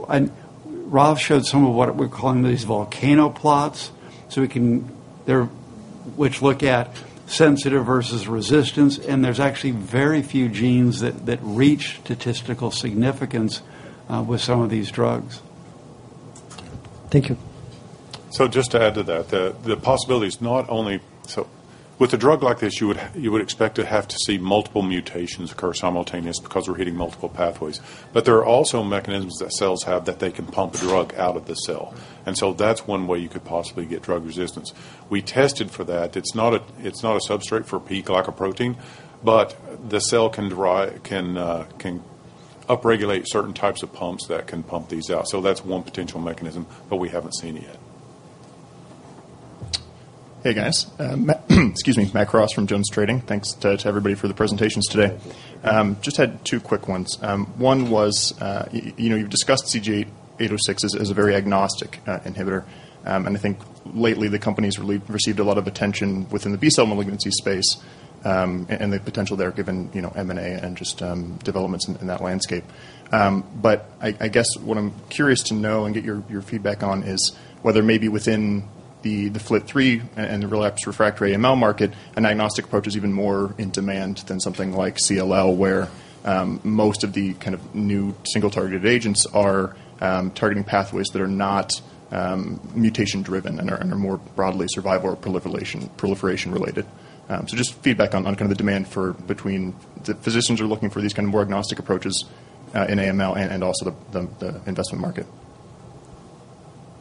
And Raf showed some of what we're calling these volcano plots, which look at sensitive versus resistance, and there's actually very few genes that reach statistical significance with some of these drugs. Thank you. So just to add to that, the possibility is not only—So with a drug like this, you would expect to have to see multiple mutations occur simultaneous because we're hitting multiple pathways. But there are also mechanisms that cells have that they can pump a drug out of the cell. And so that's one way you could possibly get drug resistance. We tested for that. It's not a substrate for P-glycoprotein, but the cell can upregulate certain types of pumps that can pump these out. So that's one potential mechanism, but we haven't seen it yet. Hey, guys. Excuse me. Matt Cross from JonesTrading. Thanks to everybody for the presentations today. Thank you. Just had two quick ones. One was, you know, you've discussed CG-806 as a very agnostic inhibitor. And I think lately the company's received a lot of attention within the B-cell malignancy space, and the potential there, given, you know, M&A and just developments in that landscape. But I guess what I'm curious to know and get your feedback on is whether maybe within the FLT3 and the relapsed/refractory AML market, an agnostic approach is even more in demand than something like CLL, where most of the kind of new single targeted agents are targeting pathways that are not mutation-driven and are more broadly survival or proliferation-related. So just feedback on kind of the demand for between the physicians are looking for these kind of more agnostic approaches in AML and also the investment market.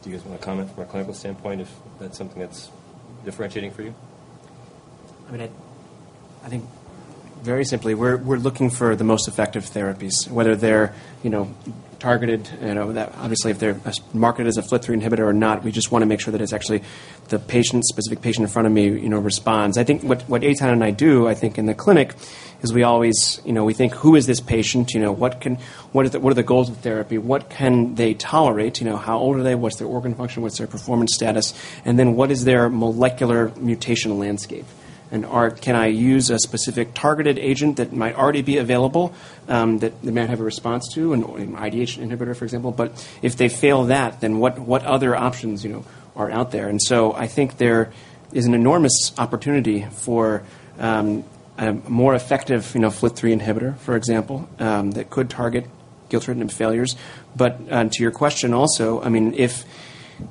Do you guys wanna comment from a clinical standpoint, if that's something that's differentiating for you? I mean, I, I think very simply, we're, we're looking for the most effective therapies, whether they're, you know, targeted, you know, that obviously, if they're as marketed as a FLT3 inhibitor or not, we just wanna make sure that it's actually the patient, specific patient in front of me, you know, responds. I think what, what Eytan and I do, I think, in the clinic, is we always, you know, we think, who is this patient? You know, what can-- what are the, what are the goals of therapy? What can they tolerate? You know, how old are they? What's their organ function? What's their performance status? And then what is their molecular mutational landscape? And are-- can I use a specific targeted agent that might already be available, that they might have a response to, an IDH inhibitor, for example? But if they fail that, then what, what other options, you know, are out there? And so I think there is an enormous opportunity for a more effective, you know, FLT3 inhibitor, for example, that could target-... gilteritinib failures. But, to your question also, I mean, if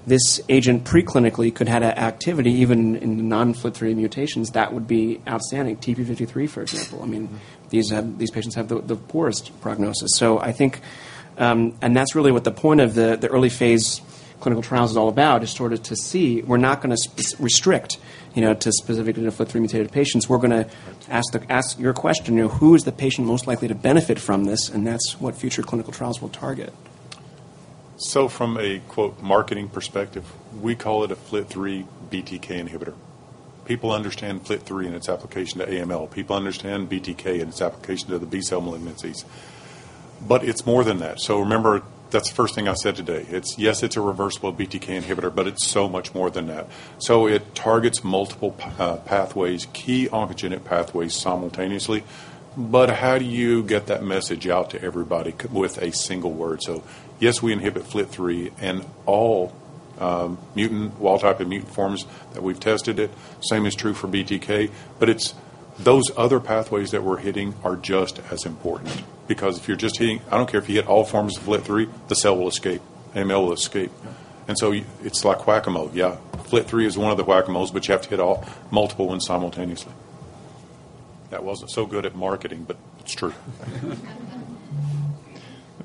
this agent preclinically could have a activity even in non-FLT3 mutations, that would be outstanding. TP53, for example, I mean- Mm-hmm. These patients have the, the poorest prognosis. So I think, and that's really what the point of the, the early phase clinical trials is all about, is sort of to see. We're not gonna restrict, you know, to specifically to FLT3-mutated patients. We're gonna- Right. Ask your question, you know, who is the patient most likely to benefit from this? That's what future clinical trials will target. So from a quote, "marketing perspective," we call it a FLT3 BTK inhibitor. People understand FLT3 and its application to AML. People understand BTK and its application to the B-cell malignancies. But it's more than that. So remember, that's the first thing I said today. It's yes, it's a reversible BTK inhibitor, but it's so much more than that. So it targets multiple pathways, key oncogenic pathways simultaneously. But how do you get that message out to everybody with a single word? So yes, we inhibit FLT3 and all mutant, wild type and mutant forms that we've tested it. Same is true for BTK, but it's those other pathways that we're hitting are just as important. Because if you're just hitting... I don't care if you hit all forms of FLT3, the cell will escape, AML will escape. Yeah. So, it's like Whac-A-Mole. Yeah, FLT3 is one of the Whac-A-Moles, but you have to hit all multiple ones simultaneously. That wasn't so good at marketing, but it's true.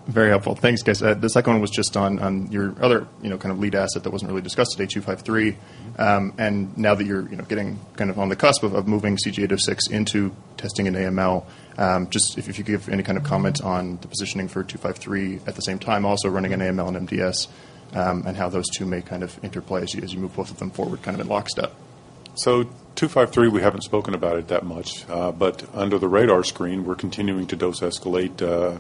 Very helpful. Thanks, guys. The second one was just on, on your other, you know, kind of lead asset that wasn't really discussed today, 253. And now that you're, you know, getting kind of on the cusp of, of moving CG-806 into testing in AML, just if, if you could give any kind of comments on the positioning for 253, at the same time, also running an AML and MDS, and how those two may kind of interplay as you move both of them forward, kind of in lockstep. 253, we haven't spoken about it that much, but under the radar screen, we're continuing to dose escalate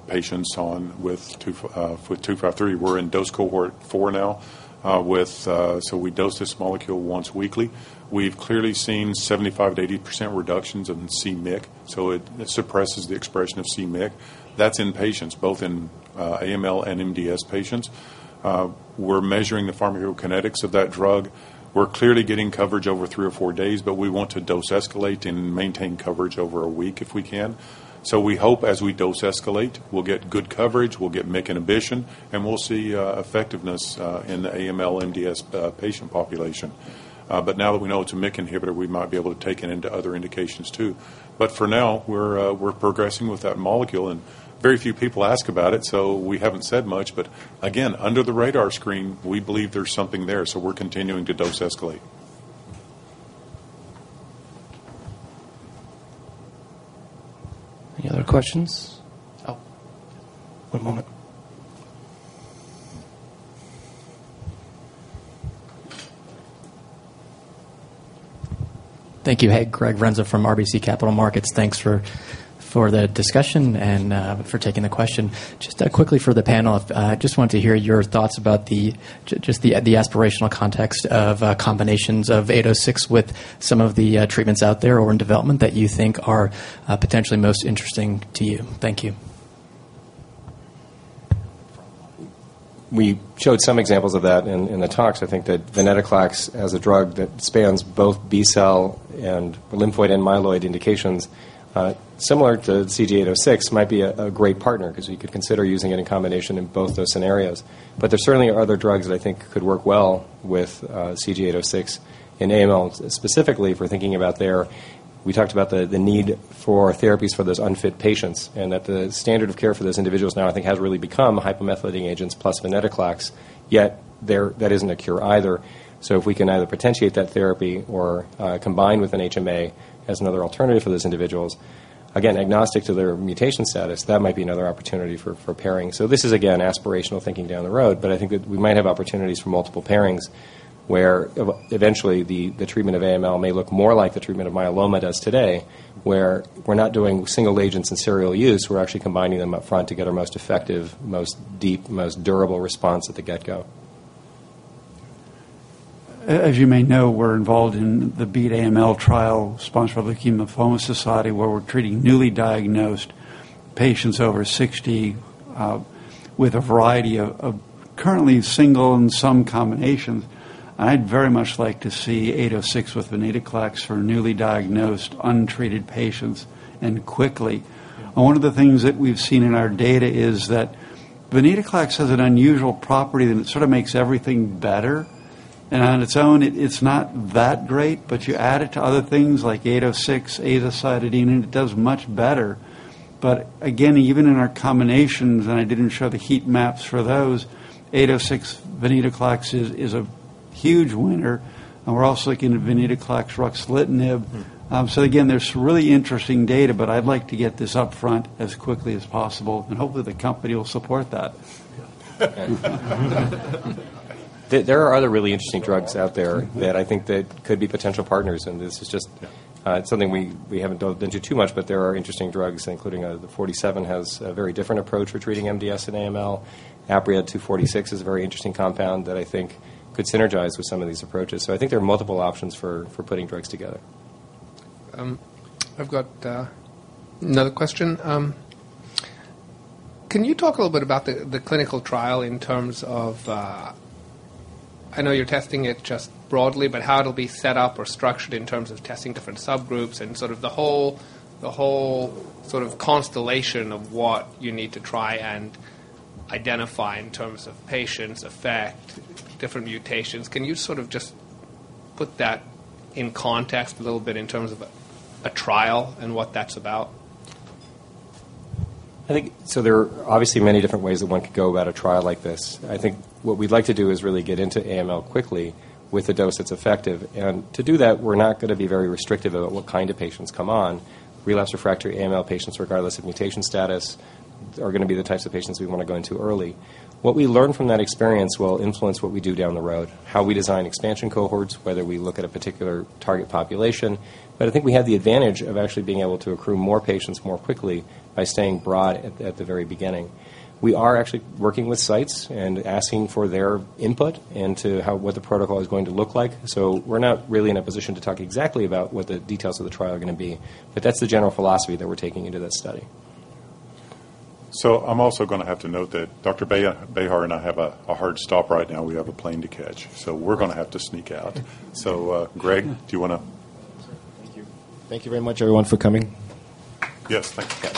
patients with 253. We're in dose cohort 4 now. So we dose this molecule once weekly. We've clearly seen 75%-80% reductions in c-MYC, so it, it suppresses the expression of c-MYC. That's in patients, both in AML and MDS patients. We're measuring the pharmacokinetics of that drug. We're clearly getting coverage over three or four days, but we want to dose escalate and maintain coverage over a week, if we can. So we hope, as we dose escalate, we'll get good coverage, we'll get MYC inhibition, and we'll see effectiveness in the AML, MDS patient population. But now that we know it's a MYC inhibitor, we might be able to take it into other indications, too. But for now, we're progressing with that molecule, and very few people ask about it, so we haven't said much. But again, under the radar screen, we believe there's something there, so we're continuing to dose escalate. Any other questions? Oh, one moment. Thank you. Hey, Greg Renza from RBC Capital Markets. Thanks for the discussion and for taking the question. Just quickly for the panel, just wanted to hear your thoughts about the aspirational context of combinations of eight, oh, six with some of the treatments out there or in development that you think are potentially most interesting to you. Thank you. We showed some examples of that in the talks. I think that venetoclax, as a drug that spans both B-cell and lymphoid and myeloid indications, similar to CG-806, might be a great partner because we could consider using it in combination in both those scenarios. But there certainly are other drugs that I think could work well with CG-806 in AML. Specifically, if we're thinking about there, we talked about the need for therapies for those unfit patients, and that the standard of care for those individuals now, I think, has really become hypomethylating agents plus venetoclax. Yet that isn't a cure either. So if we can either potentiate that therapy or combine with an HMA as another alternative for those individuals, again, agnostic to their mutation status, that might be another opportunity for pairing. So this is, again, aspirational thinking down the road, but I think that we might have opportunities for multiple pairings where eventually, the treatment of AML may look more like the treatment of myeloma does today, where we're not doing single agents in serial use, we're actually combining them up front to get our most effective, most deep, most durable response at the get-go. As you may know, we're involved in the Beat AML trial, sponsored by the Lymphoma Society, where we're treating newly diagnosed patients over 60 with a variety of currently single and some combinations. I'd very much like to see 806 with venetoclax for newly diagnosed, untreated patients, and quickly. One of the things that we've seen in our data is that venetoclax has an unusual property, and it sort of makes everything better. And on its own, it, it's not that great, but you add it to other things, like 806, azacitidine, it does much better. But again, even in our combinations, and I didn't show the heat maps for those, 806 venetoclax is a huge winner. And we're also looking at venetoclax ruxolitinib. So again, there's some really interesting data, but I'd like to get this up front as quickly as possible, and hopefully, the company will support that. There are other really interesting drugs out there- that I think that could be potential partners, and this is just- Yeah... something we haven't dove into too much, but there are interesting drugs, including the Forty Seven has a very different approach for treating MDS and AML. APTO-253 is a very interesting compound that I think could synergize with some of these approaches. So I think there are multiple options for putting drugs together. I've got another question. Can you talk a little bit about the, the clinical trial in terms of... I know you're testing it just broadly, but how it'll be set up or structured in terms of testing different subgroups and sort of the whole, the whole sort of constellation of what you need to try and identify in terms of patients, effect, different mutations. Can you sort of just put that in context a little bit in terms of a, a trial and what that's about? I think. So there are obviously many different ways that one could go about a trial like this. I think what we'd like to do is really get into AML quickly with a dose that's effective. To do that, we're not gonna be very restrictive about what kind of patients come on. Relapsed/refractory AML patients, regardless of mutation status, are gonna be the types of patients we want to go into early. What we learn from that experience will influence what we do down the road, how we design expansion cohorts, whether we look at a particular target population. I think we have the advantage of actually being able to accrue more patients more quickly by staying broad at the very beginning. We are actually working with sites and asking for their input into how, what the protocol is going to look like. We're not really in a position to talk exactly about what the details of the trial are gonna be, but that's the general philosophy that we're taking into this study. So I'm also gonna have to note that Dr. Bejar and I have a hard stop right now. We have a plane to catch, so we're gonna have to sneak out. So, Greg, do you wanna- Thank you. Thank you very much, everyone, for coming. Yes, thank you.